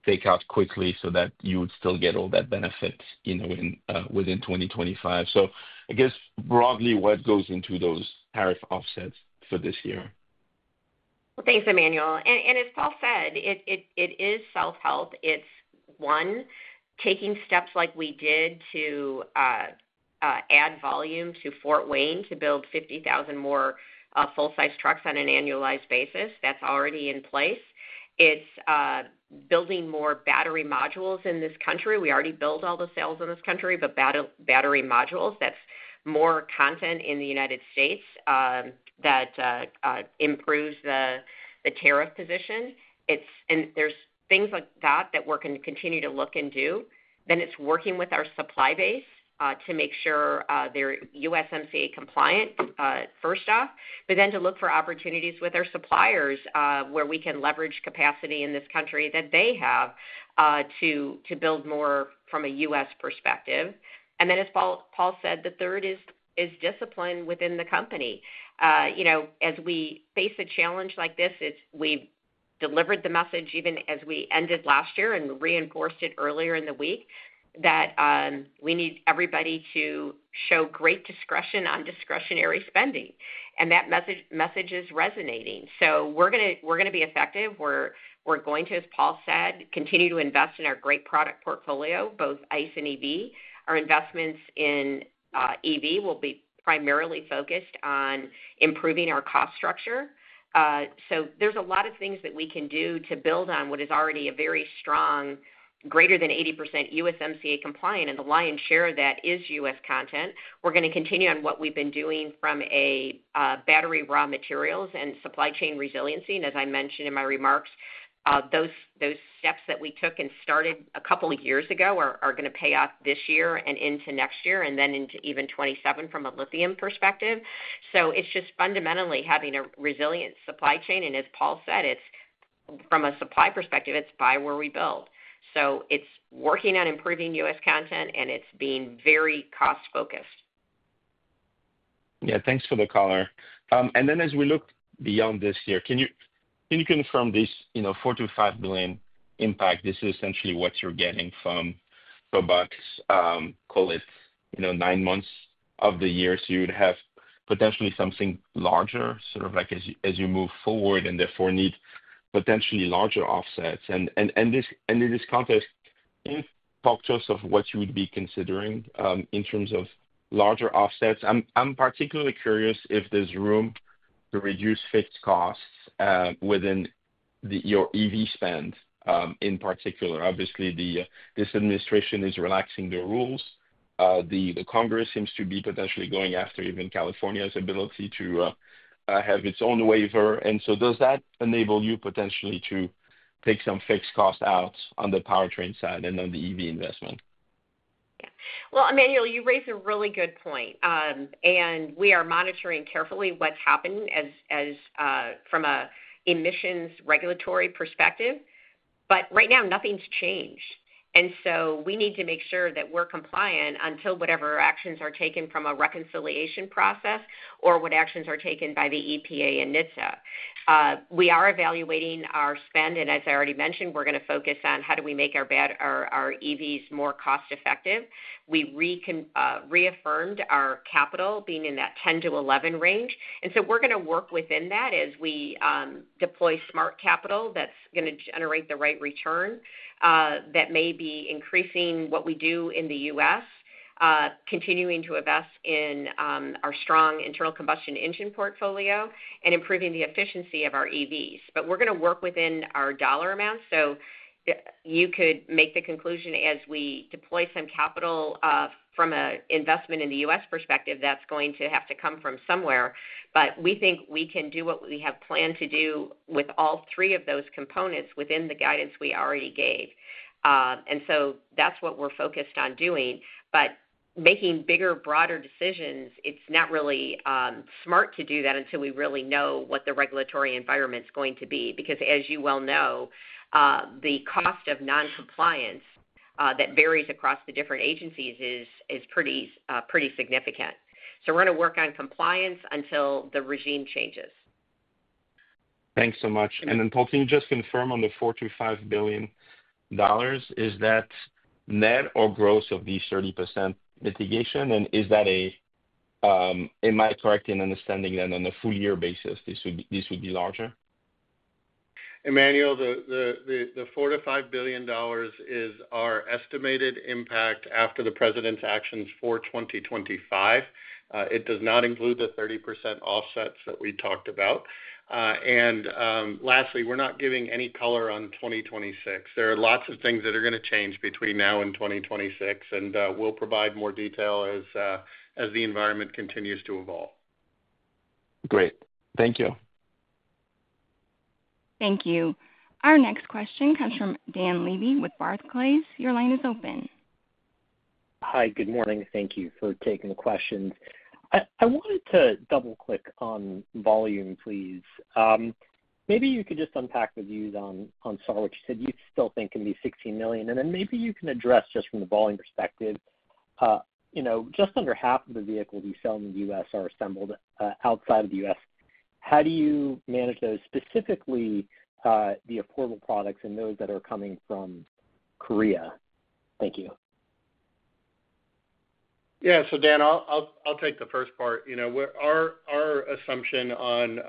take out quickly so that you would still get all that benefit within 2025? I guess broadly, what goes into those tariff offsets for this year? Thank you, Emmanuel. As Paul said, it is self-help. It is, one, taking steps like we did to add volume to Fort Wayne to build 50,000 more full-size trucks on an annualized basis. That is already in place. It is building more battery modules in this country. We already build all the cells in this country, but battery modules, that's more content in the United States that improves the tariff position. There are things like that that we're going to continue to look and do. It is working with our supply base to make sure they're USMCA compliant, first off, but then to look for opportunities with our suppliers where we can leverage capacity in this country that they have to build more from a U.S. perspective. As Paul said, the third is discipline within the company. As we face a challenge like this, we've delivered the message even as we ended last year and reinforced it earlier in the week that we need everybody to show great discretion on discretionary spending. That message is resonating. We are going to be effective. We're going to, as Paul said, continue to invest in our great product portfolio, both ICE and EV. Our investments in EV will be primarily focused on improving our cost structure. There are a lot of things that we can do to build on what is already a very strong, greater than 80% USMCA compliant and the lion's share of that is U.S. content. We're going to continue on what we've been doing from battery raw materials and supply chain resiliency. As I mentioned in my remarks, those steps that we took and started a couple of years ago are going to pay off this year and into next year and then into even 2027 from a lithium perspective. It is just fundamentally having a resilient supply chain. As Paul said, from a supply perspective, it is buy where we build. It is working on improving U.S. content, and it is being very cost-focused. Yeah. Thanks for the color. As we look beyond this year, can you confirm this $4 billion-$5 billion impact? This is essentially what you are getting from Robux, call it nine months of the year. You would have potentially something larger as you move forward and therefore need potentially larger offsets. In this context, talk to us about what you would be considering in terms of larger offsets. I am particularly curious if there is room to reduce fixed costs within your EV spend in particular. Obviously, this administration is relaxing the rules. Congress seems to be potentially going after even California's ability to have its own waiver. Does that enable you potentially to take some fixed costs out on the powertrain side and on the EV investment? Yeah. Emmanuel, you raised a really good point. We are monitoring carefully what is happening from an emissions regulatory perspective. Right now, nothing has changed. We need to make sure that we are compliant until whatever actions are taken from a reconciliation process or what actions are taken by the EPA and NHTSA. We are evaluating our spend. As I already mentioned, we are going to focus on how we make our EVs more cost-effective. We reaffirmed our capital being in that $10 billion-$11 billion range. We are going to work within that as we deploy smart capital that is going to generate the right return that may be increasing what we do in the U.S., continuing to invest in our strong internal combustion engine portfolio, and improving the efficiency of our EVs. We are going to work within our dollar amounts. You could make the conclusion as we deploy some capital from an investment in the U.S. perspective that's going to have to come from somewhere. We think we can do what we have planned to do with all three of those components within the guidance we already gave. That's what we're focused on doing. Making bigger, broader decisions, it's not really smart to do that until we really know what the regulatory environment's going to be. As you well know, the cost of non-compliance that varies across the different agencies is pretty significant. We're going to work on compliance until the regime changes. Thanks so much. Paul, can you just confirm on the $4 billion-$5 billion, is that net or gross of these 30% mitigation? Is that a—am I correct in understanding that on a full-year basis, this would be larger? Emmanuel, the $4 billion-$5 billion is our estimated impact after the president's actions for 2025. It does not include the 30% offsets that we talked about. Lastly, we are not giving any color on 2026. There are lots of things that are going to change between now and 2026. We will provide more detail as the environment continues to evolve. Great. Thank you. Thank you. Our next question comes from Dan Levy with Barclays. Your line is open. Hi. Good morning. Thank you for taking the questions. I wanted to double-click on volume, please. Maybe you could just unpack the views on SAAR, which you said you still think can be 16 million. Maybe you can address just from the volume perspective, just under half of the vehicles you sell in the U.S. are assembled outside of the U.S. How do you manage those, specifically the affordable products and those that are coming from Korea? Thank you. Yeah. Dan, I'll take the first part. Our assumption on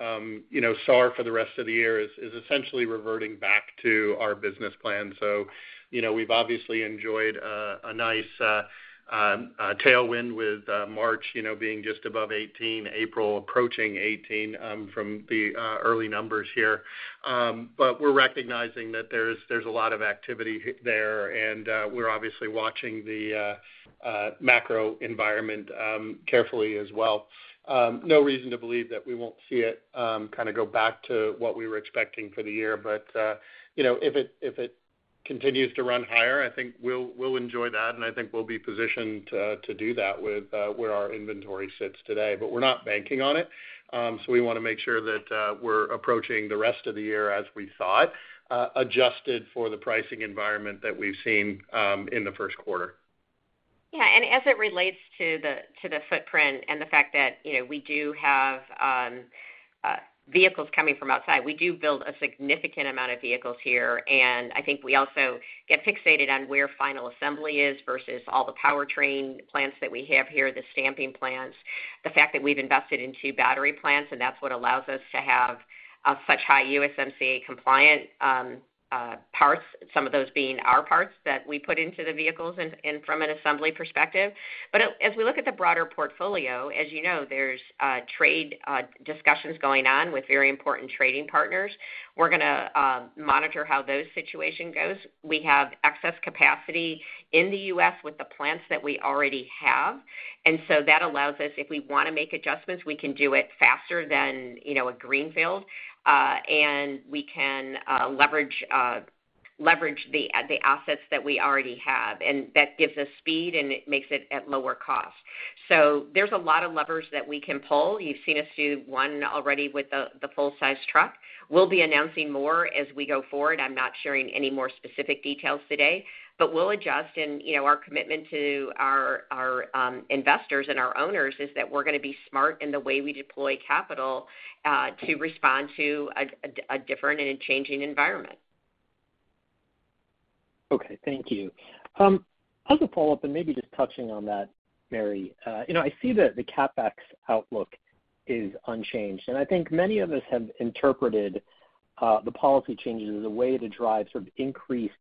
SAAR for the rest of the year is essentially reverting back to our business plan. We've obviously enjoyed a nice tailwind with March being just above 18, April approaching 18 from the early numbers here. We're recognizing that there's a lot of activity there. We're obviously watching the macro environment carefully as well. No reason to believe that we won't see it kind of go back to what we were expecting for the year. If it continues to run higher, I think we'll enjoy that. I think we'll be positioned to do that with where our inventory sits today. We're not banking on it. We want to make sure that we're approaching the rest of the year as we thought, adjusted for the pricing environment that we've seen in the first quarter. As it relates to the footprint and the fact that we do have vehicles coming from outside, we do build a significant amount of vehicles here. I think we also get fixated on where final assembly is versus all the powertrain plants that we have here, the stamping plants, the fact that we've invested in two battery plants. That's what allows us to have such high USMCA compliant parts, some of those being our parts that we put into the vehicles and from an assembly perspective. As we look at the broader portfolio, as you know, there's trade discussions going on with very important trading partners. We're going to monitor how those situations go. We have excess capacity in the U.S. with the plants that we already have. That allows us, if we want to make adjustments, we can do it faster than a greenfield. We can leverage the assets that we already have. That gives us speed, and it makes it at lower cost. There are a lot of levers that we can pull. You've seen us do one already with the full-size truck. We'll be announcing more as we go forward. I'm not sharing any more specific details today. We'll adjust. Our commitment to our investors and our owners is that we're going to be smart in the way we deploy capital to respond to a different and a changing environment. Thank you. As a follow-up, and maybe just touching on that, Mary, I see that the CapEx outlook is unchanged. I think many of us have interpreted the policy changes as a way to drive sort of increased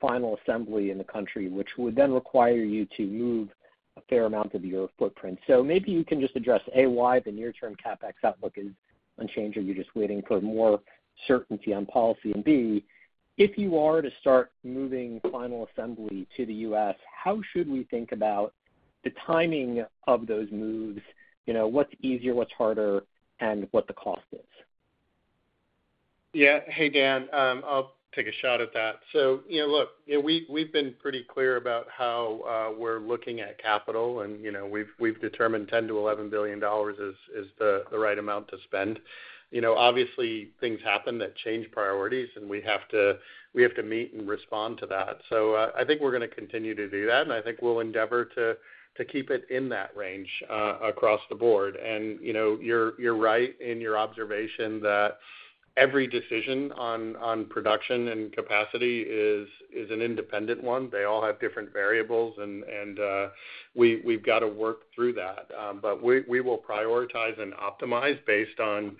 final assembly in the country, which would then require you to move a fair amount of your footprint. Maybe you can just address, A, why the near-term CapEx outlook is unchanged? Are you just waiting for more certainty on policy? And B, if you are to start moving final assembly to the U.S., how should we think about the timing of those moves? What's easier, what's harder, and what the cost is? Yeah. Hey, Dan, I'll take a shot at that. Look, we've been pretty clear about how we're looking at capital. We've determined $10 billion-$11 billion is the right amount to spend. Obviously, things happen that change priorities, and we have to meet and respond to that. I think we're going to continue to do that. I think we'll endeavor to keep it in that range across the board. You're right in your observation that every decision on production and capacity is an independent one. They all have different variables. We've got to work through that. We will prioritize and optimize based on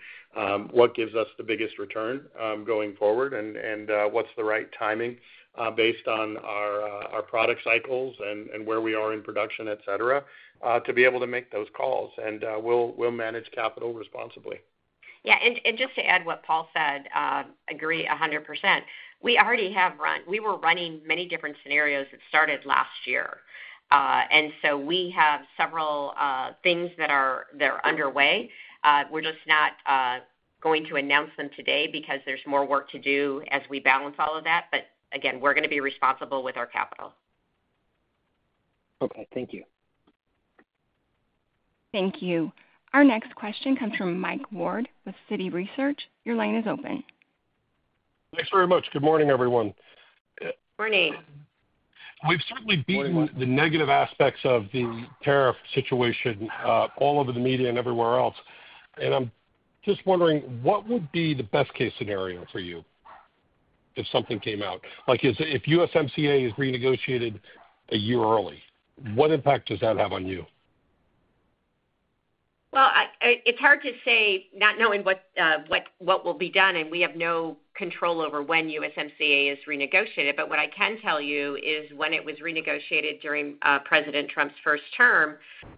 what gives us the biggest return going forward and what's the right timing based on our product cycles and where we are in production, etc., to be able to make those calls. We'll manage capital responsibly. Yeah. Just to add what Paul said, agree 100%. We already have run. We were running many different scenarios that started last year. We have several things that are underway. We're just not going to announce them today because there's more work to do as we balance all of that. Again, we're going to be responsible with our capital. Okay. Thank you. Thank you. Our next question comes from Michael Ward with Citi Research. Your line is open. Thanks very much. Good morning, everyone. Morning. We've certainly been the negative aspects of the tariff situation all over the media and everywhere else. I'm just wondering, what would be the best-case scenario for you if something came out? If USMCA is renegotiated a year early, what impact does that have on you? It's hard to say not knowing what will be done. We have no control over when USMCA is renegotiated. What I can tell you is when it was renegotiated during President Trump's first term,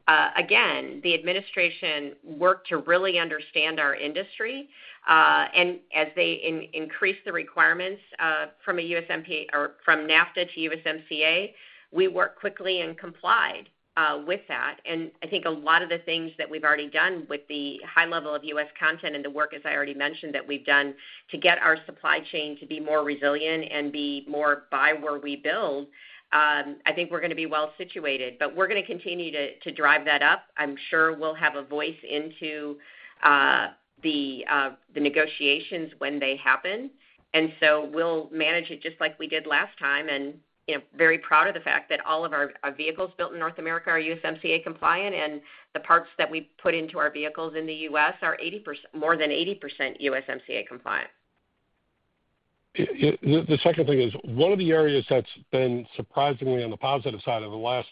the administration worked to really understand our industry. As they increased the requirements from NAFTA to USMCA, we worked quickly and complied with that. I think a lot of the things that we've already done with the high level of U.S. content and the work, as I already mentioned, that we've done to get our supply chain to be more resilient and be more buy where we build, I think we're going to be well situated. We're going to continue to drive that up. I'm sure we'll have a voice into the negotiations when they happen. We'll manage it just like we did last time. Very proud of the fact that all of our vehicles built in North America are USMCA compliant. The parts that we put into our vehicles in the U.S. are more than 80% USMCA compliant. The second thing is, one of the areas that's been surprisingly on the positive side over the last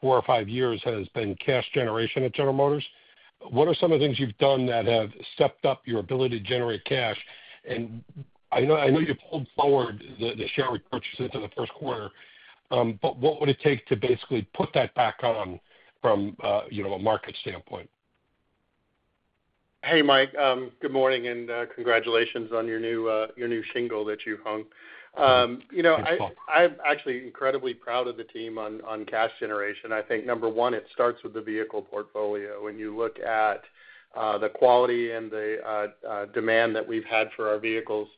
four or five years has been cash generation at General Motors. What are some of the things you've done that have stepped up your ability to generate cash? I know you pulled forward the share repurchase into the first quarter. What would it take to basically put that back on from a market standpoint? Hey, Mike. Good morning. Congratulations on your new shingle that you hung. Thank you, Paul. I'm actually incredibly proud of the team on cash generation. I think, number one, it starts with the vehicle portfolio. When you look at the quality and the demand that we've had for our vehicles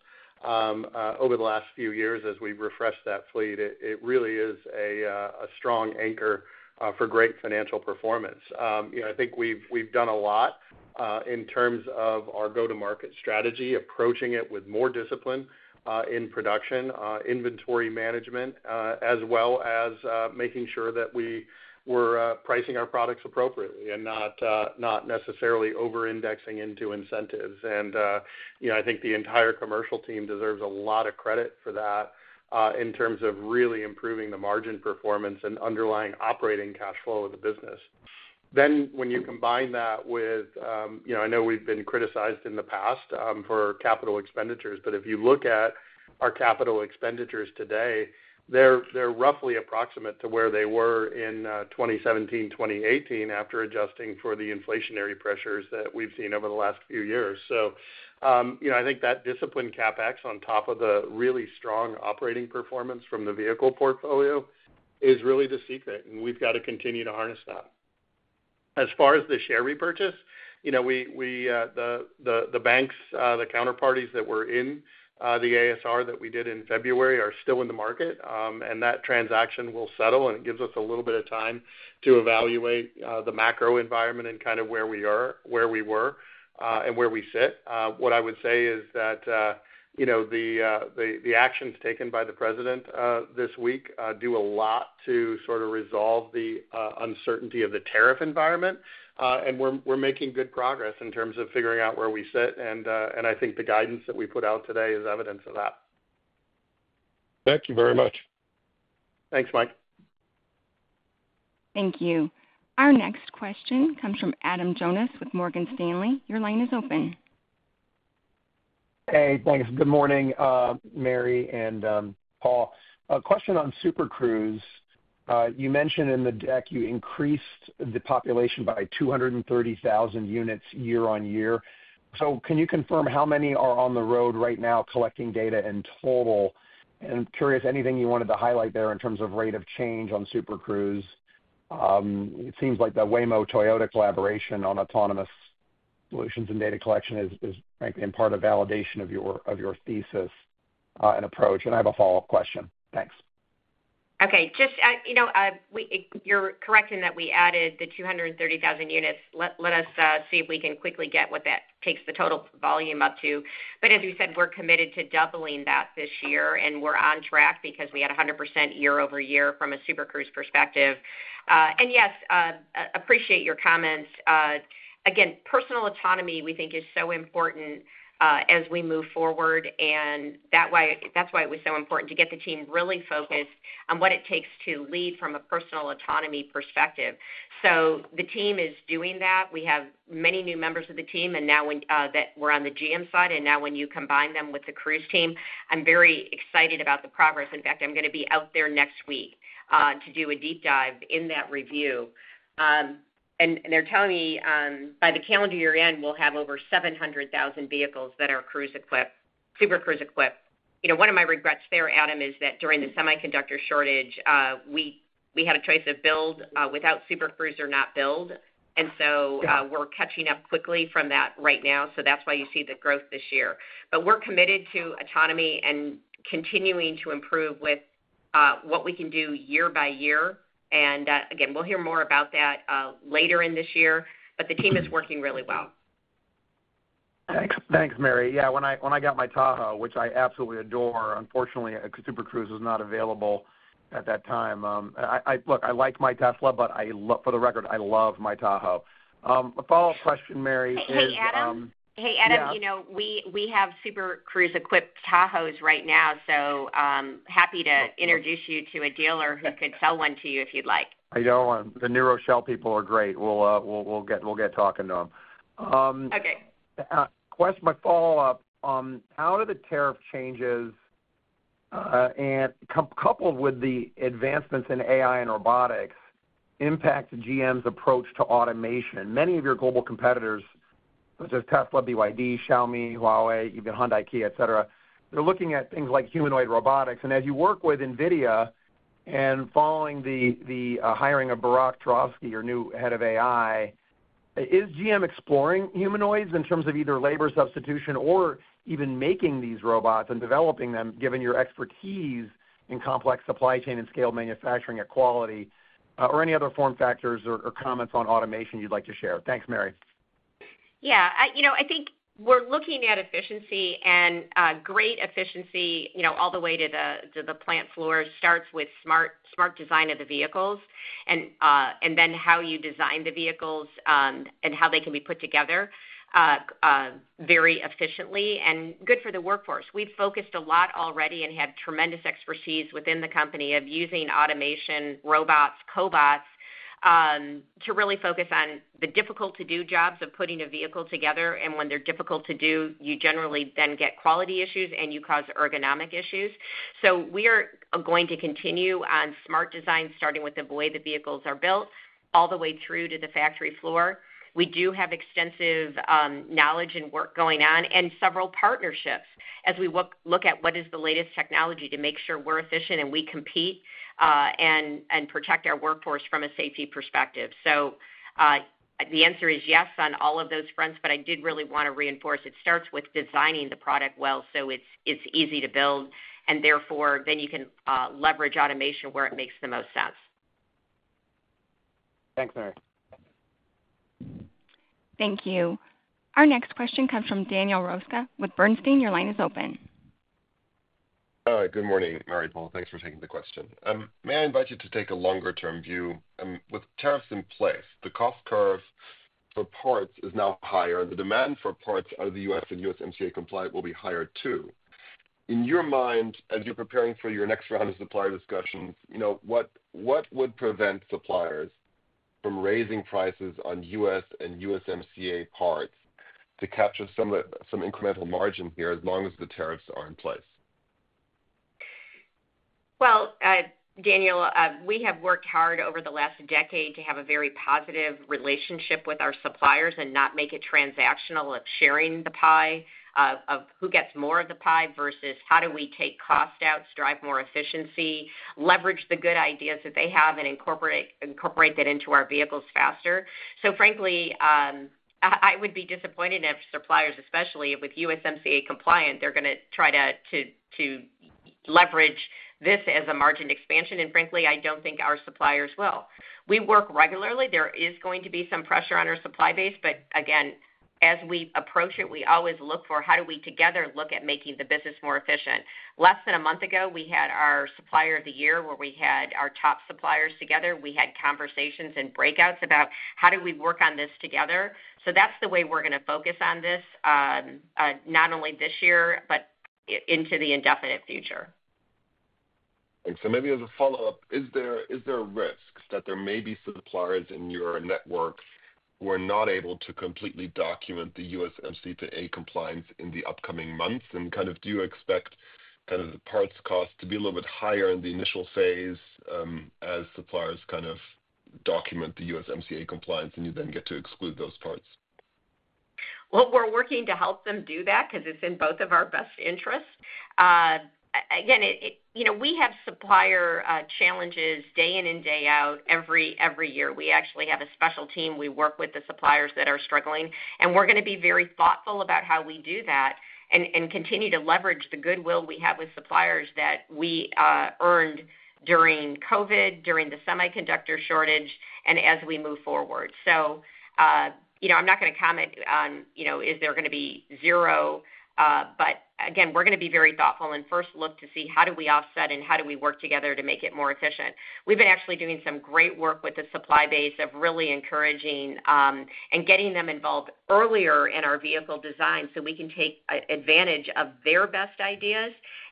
over the last few years as we've refreshed that fleet, it really is a strong anchor for great financial performance. I think we've done a lot in terms of our go-to-market strategy, approaching it with more discipline in production, inventory management, as well as making sure that we were pricing our products appropriately and not necessarily over-indexing into incentives. I think the entire commercial team deserves a lot of credit for that in terms of really improving the margin performance and underlying operating cash flow of the business. When you combine that with, I know we've been criticized in the past for capital expenditures. If you look at our capital expenditures today, they're roughly approximate to where they were in 2017, 2018 after adjusting for the inflationary pressures that we've seen over the last few years. I think that disciplined CapEx on top of the really strong operating performance from the vehicle portfolio is really the secret. We've got to continue to harness that. As far as the share repurchase, the banks, the counterparties that were in the ASR that we did in February are still in the market. That transaction will settle. It gives us a little bit of time to evaluate the macro environment and kind of where we were, where we were, and where we sit. What I would say is that the actions taken by the president this week do a lot to sort of resolve the uncertainty of the tariff environment. We're making good progress in terms of figuring out where we sit. I think the guidance that we put out today is evidence of that. Thank you very much. Thanks, Mike. Thank you. Our next question comes from Adam Jonas with Morgan Stanley. Your line is open. Hey, thanks. Good morning, Mary and Paul. A question on Super Cruise. You mentioned in the deck you increased the population by 230,000 units year on year. Can you confirm how many are on the road right now collecting data in total? Curious, anything you wanted to highlight there in terms of rate of change on Super Cruise? It seems like the Waymo-Toyota collaboration on autonomous solutions and data collection is, frankly, in part a validation of your thesis and approach. I have a follow-up question. Thanks. Okay. You're correct in that we added the 230,000 units. Let us see if we can quickly get what that takes the total volume up to. As you said, we're committed to doubling that this year. We're on track because we had 100% year-over-year from a Super Cruise perspective. Yes, appreciate your comments. Personal autonomy we think is so important as we move forward. That is why it was so important to get the team really focused on what it takes to lead from a personal autonomy perspective. The team is doing that. We have many new members of the team. Now that we're on the GM side, and now when you combine them with the Cruise team, I'm very excited about the progress. In fact, I'm going to be out there next week to do a deep dive in that review. They're telling me by the calendar year end, we'll have over 700,000 vehicles that are Super Cruise equipped. One of my regrets there, Adam, is that during the semiconductor shortage, we had a choice of build without Super Cruise or not build. We're catching up quickly from that right now. That's why you see the growth this year. We're committed to autonomy and continuing to improve with what we can do year by year. Again, we'll hear more about that later in this year. The team is working really well. Thanks, Mary. Yeah. When I got my Tahoe, which I absolutely adore, unfortunately, Super Cruise was not available at that time. Look, I like my Tesla, but for the record, I love my Tahoe. A follow-up question, Mary, is Hey, Adam. Hey, Adam. We have Super Cruise equipped Tahoes right now. Happy to introduce you to a dealer who could sell one to you if you'd like. I know. The NeuroShell people are great. We'll get talking to them. Question, my follow-up. How do the tariff changes, coupled with the advancements in AI and robotics, impact GM's approach to automation? Many of your global competitors, such as Tesla, BYD, Xiaomi, Huawei, even Hyundai, Kia, etc., they're looking at things like humanoid robotics. As you work with NVIDIA and following the hiring of Barak Turovsky, your new head of AI, is GM exploring humanoids in terms of either labor substitution or even making these robots and developing them, given your expertise in complex supply chain and scale manufacturing equality, or any other form factors or comments on automation you'd like to share? Thanks, Mary. Yeah. I think we're looking at efficiency and great efficiency all the way to the plant floor. It starts with smart design of the vehicles and then how you design the vehicles and how they can be put together very efficiently and good for the workforce. We've focused a lot already and have tremendous expertise within the company of using automation, robots, cobots to really focus on the difficult-to-do jobs of putting a vehicle together. When they're difficult to do, you generally then get quality issues and you cause ergonomic issues. We are going to continue on smart design, starting with the way the vehicles are built all the way through to the factory floor. We do have extensive knowledge and work going on and several partnerships as we look at what is the latest technology to make sure we're efficient and we compete and protect our workforce from a safety perspective. The answer is yes on all of those fronts. I did really want to reinforce it starts with designing the product well so it's easy to build. Therefore, you can leverage automation where it makes the most sense. Thanks, Mary. Thank you. Our next question comes from Daniel Roeska with Bernstein. Your line is open. Good morning, Mary Paul. Thanks for taking the question. May I invite you to take a longer-term view? With tariffs in place, the cost curve for parts is now higher. The demand for parts out of the U.S. and USMCA compliant will be higher too. In your mind, as you're preparing for your next round of supplier discussions, what would prevent suppliers from raising prices on U.S. and USMCA parts to capture some incremental margin here as long as the tariffs are in place? Daniel, we have worked hard over the last decade to have a very positive relationship with our suppliers and not make it transactional of sharing the pie, of who gets more of the pie versus how do we take cost out, drive more efficiency, leverage the good ideas that they have, and incorporate that into our vehicles faster. Frankly, I would be disappointed if suppliers, especially with USMCA compliant, are going to try to leverage this as a margin expansion. Frankly, I do not think our suppliers will. We work regularly. There is going to be some pressure on our supply base. As we approach it, we always look for how do we together look at making the business more efficient. Less than a month ago, we had our supplier of the year where we had our top suppliers together. We had conversations and breakouts about how do we work on this together. That is the way we're going to focus on this, not only this year but into the indefinite future. Maybe as a follow-up, is there a risk that there may be suppliers in your network who are not able to completely document the USMCA compliance in the upcoming months? Do you expect the parts cost to be a little bit higher in the initial phase as suppliers document the USMCA compliance and you then get to exclude those parts? We're working to help them do that because it's in both of our best interests. Again, we have supplier challenges day in and day out every year. We actually have a special team. We work with the suppliers that are struggling. We're going to be very thoughtful about how we do that and continue to leverage the goodwill we have with suppliers that we earned during COVID, during the semiconductor shortage, and as we move forward. I'm not going to comment on is there going to be zero. Again, we're going to be very thoughtful and first look to see how do we offset and how do we work together to make it more efficient. We've been actually doing some great work with the supply base of really encouraging and getting them involved earlier in our vehicle design so we can take advantage of their best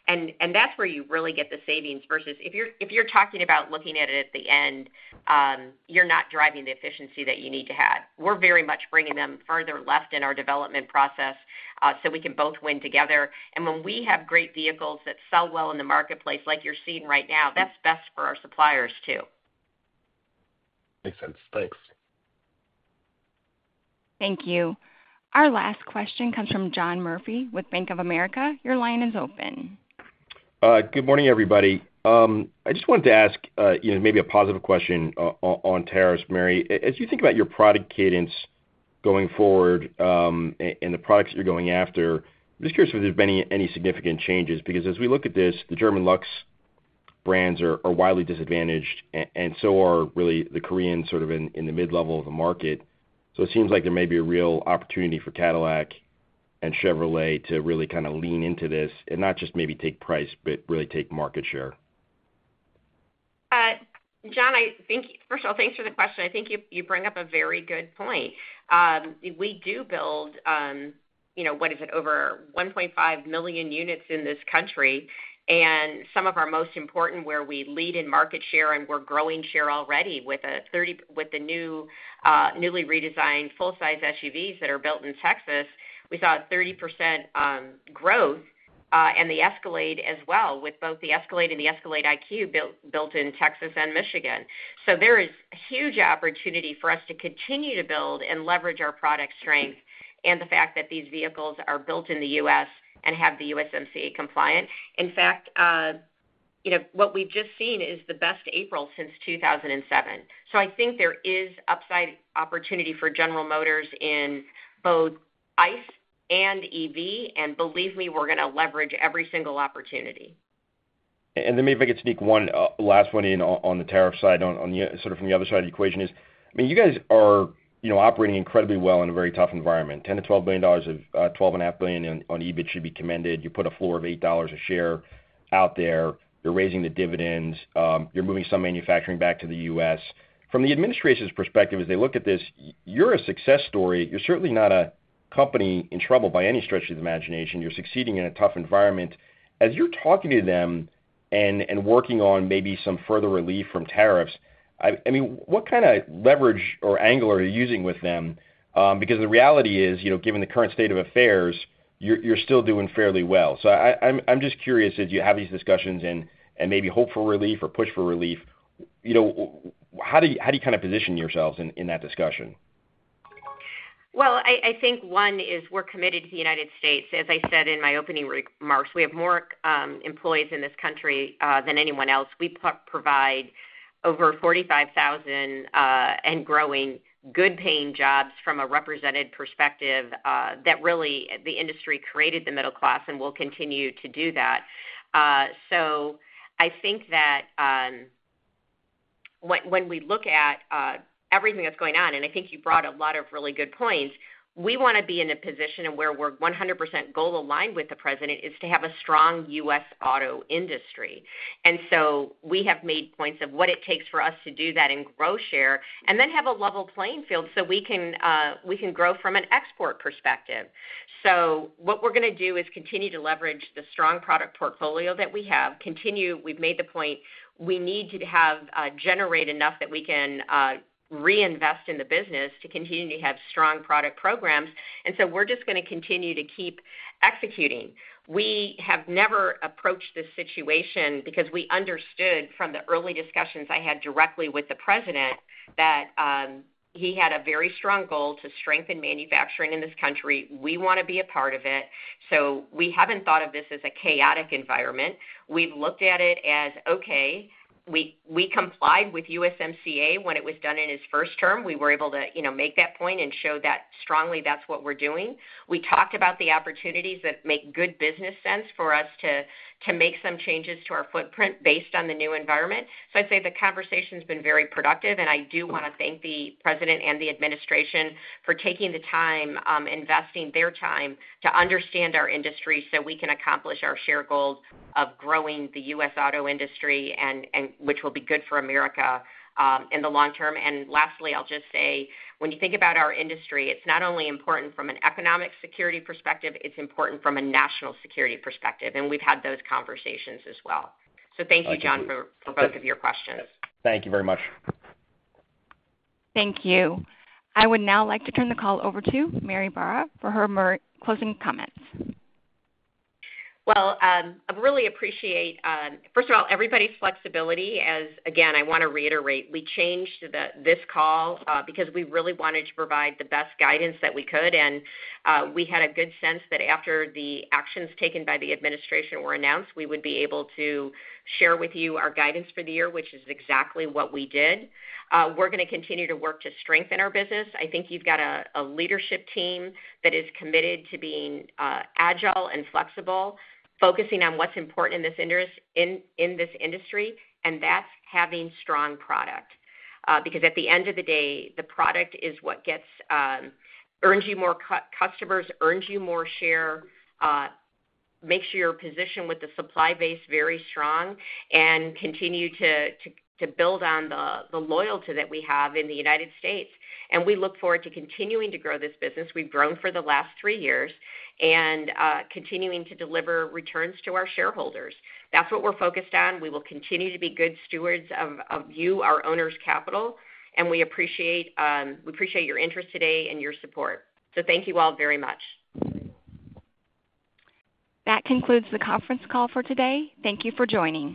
ideas. That's where you really get the savings versus if you're talking about looking at it at the end, you're not driving the efficiency that you need to have. We're very much bringing them further left in our development process so we can both win together. When we have great vehicles that sell well in the marketplace like you're seeing right now, that's best for our suppliers too. Makes sense. Thanks. Thank you. Our last question comes from John Murphy with Bank of America. Your line is open. Good morning, everybody. I just wanted to ask maybe a positive question on tariffs, Mary. As you think about your product cadence going forward and the products that you're going after, I'm just curious if there's been any significant changes because as we look at this, the German Lux brands are widely disadvantaged and so are really the Koreans sort of in the mid-level of the market. It seems like there may be a real opportunity for Cadillac and Chevrolet to really kind of lean into this and not just maybe take price but really take market share. John, first of all, thanks for the question. I think you bring up a very good point. We do build, what is it, over 1.5 million units in this country. Some of our most important where we lead in market share and we're growing share already with the newly redesigned full-size SUVs that are built in Texas. We saw a 30% growth in the Escalade as well, with both the Escalade and the ESCALADE IQ built in Texas and Michigan. There is huge opportunity for us to continue to build and leverage our product strength and the fact that these vehicles are built in the U.S. and have the USMCA compliant. In fact, what we've just seen is the best April since 2007. I think there is upside opportunity for General Motors in both ICE and EV. And believe me, we're going to leverage every single opportunity. Maybe if I could sneak one last one in on the tariff side, sort of from the other side of the equation, I mean, you guys are operating incredibly well in a very tough environment. $10 billion-$12 billion of $12.5 billion on EV should be commended. You put a floor of $8 a share out there. You're raising the dividends. You're moving some manufacturing back to the U.S. From the administration's perspective, as they look at this, you're a success story. You're certainly not a company in trouble by any stretch of the imagination. You're succeeding in a tough environment. As you're talking to them and working on maybe some further relief from tariffs, I mean, what kind of leverage or angle are you using with them? Because the reality is, given the current state of affairs, you're still doing fairly well. I'm just curious, as you have these discussions and maybe hope for relief or push for relief, how do you kind of position yourselves in that discussion? I think one is we're committed to the United States. As I said in my opening remarks, we have more employees in this country than anyone else. We provide over 45,000 and growing good-paying jobs from a represented perspective that really the industry created the middle class and will continue to do that. I think that when we look at everything that's going on, and I think you brought a lot of really good points, we want to be in a position where we're 100% goal aligned with the president is to have a strong U.S. auto industry. We have made points of what it takes for us to do that in gross share and then have a level playing field so we can grow from an export perspective. What we're going to do is continue to leverage the strong product portfolio that we have. We've made the point we need to generate enough that we can reinvest in the business to continue to have strong product programs. We are just going to continue to keep executing. We have never approached this situation because we understood from the early discussions I had directly with the president that he had a very strong goal to strengthen manufacturing in this country. We want to be a part of it. We have not thought of this as a chaotic environment. We have looked at it as, okay, we complied with USMCA when it was done in his first term. We were able to make that point and show that strongly that is what we are doing. We talked about the opportunities that make good business sense for us to make some changes to our footprint based on the new environment. I would say the conversation has been very productive. I do want to thank the president and the administration for taking the time, investing their time to understand our industry so we can accomplish our share goal of growing the U.S. auto industry, which will be good for America in the long term. Lastly, I'll just say, when you think about our industry, it's not only important from an economic security perspective, it's important from a national security perspective. We have had those conversations as well. Thank you, John, for both of your questions. Thank you very much. Thank you. I would now like to turn the call over to Mary Barra for her closing comments. I really appreciate, first of all, everybody's flexibility as, again, I want to reiterate, we changed this call because we really wanted to provide the best guidance that we could. We had a good sense that after the actions taken by the administration were announced, we would be able to share with you our guidance for the year, which is exactly what we did. We are going to continue to work to strengthen our business. I think you have got a leadership team that is committed to being agile and flexible, focusing on what is important in this industry, and that is having strong product. Because at the end of the day, the product is what earns you more customers, earns you more share, makes your position with the supply base very strong, and continues to build on the loyalty that we have in the U.S. We look forward to continuing to grow this business. We have grown for the last three years and continue to deliver returns to our shareholders. That is what we are focused on. We will continue to be good stewards of you, our owners' capital. We appreciate your interest today and your support. Thank you all very much. That concludes the conference call for today. Thank you for joining.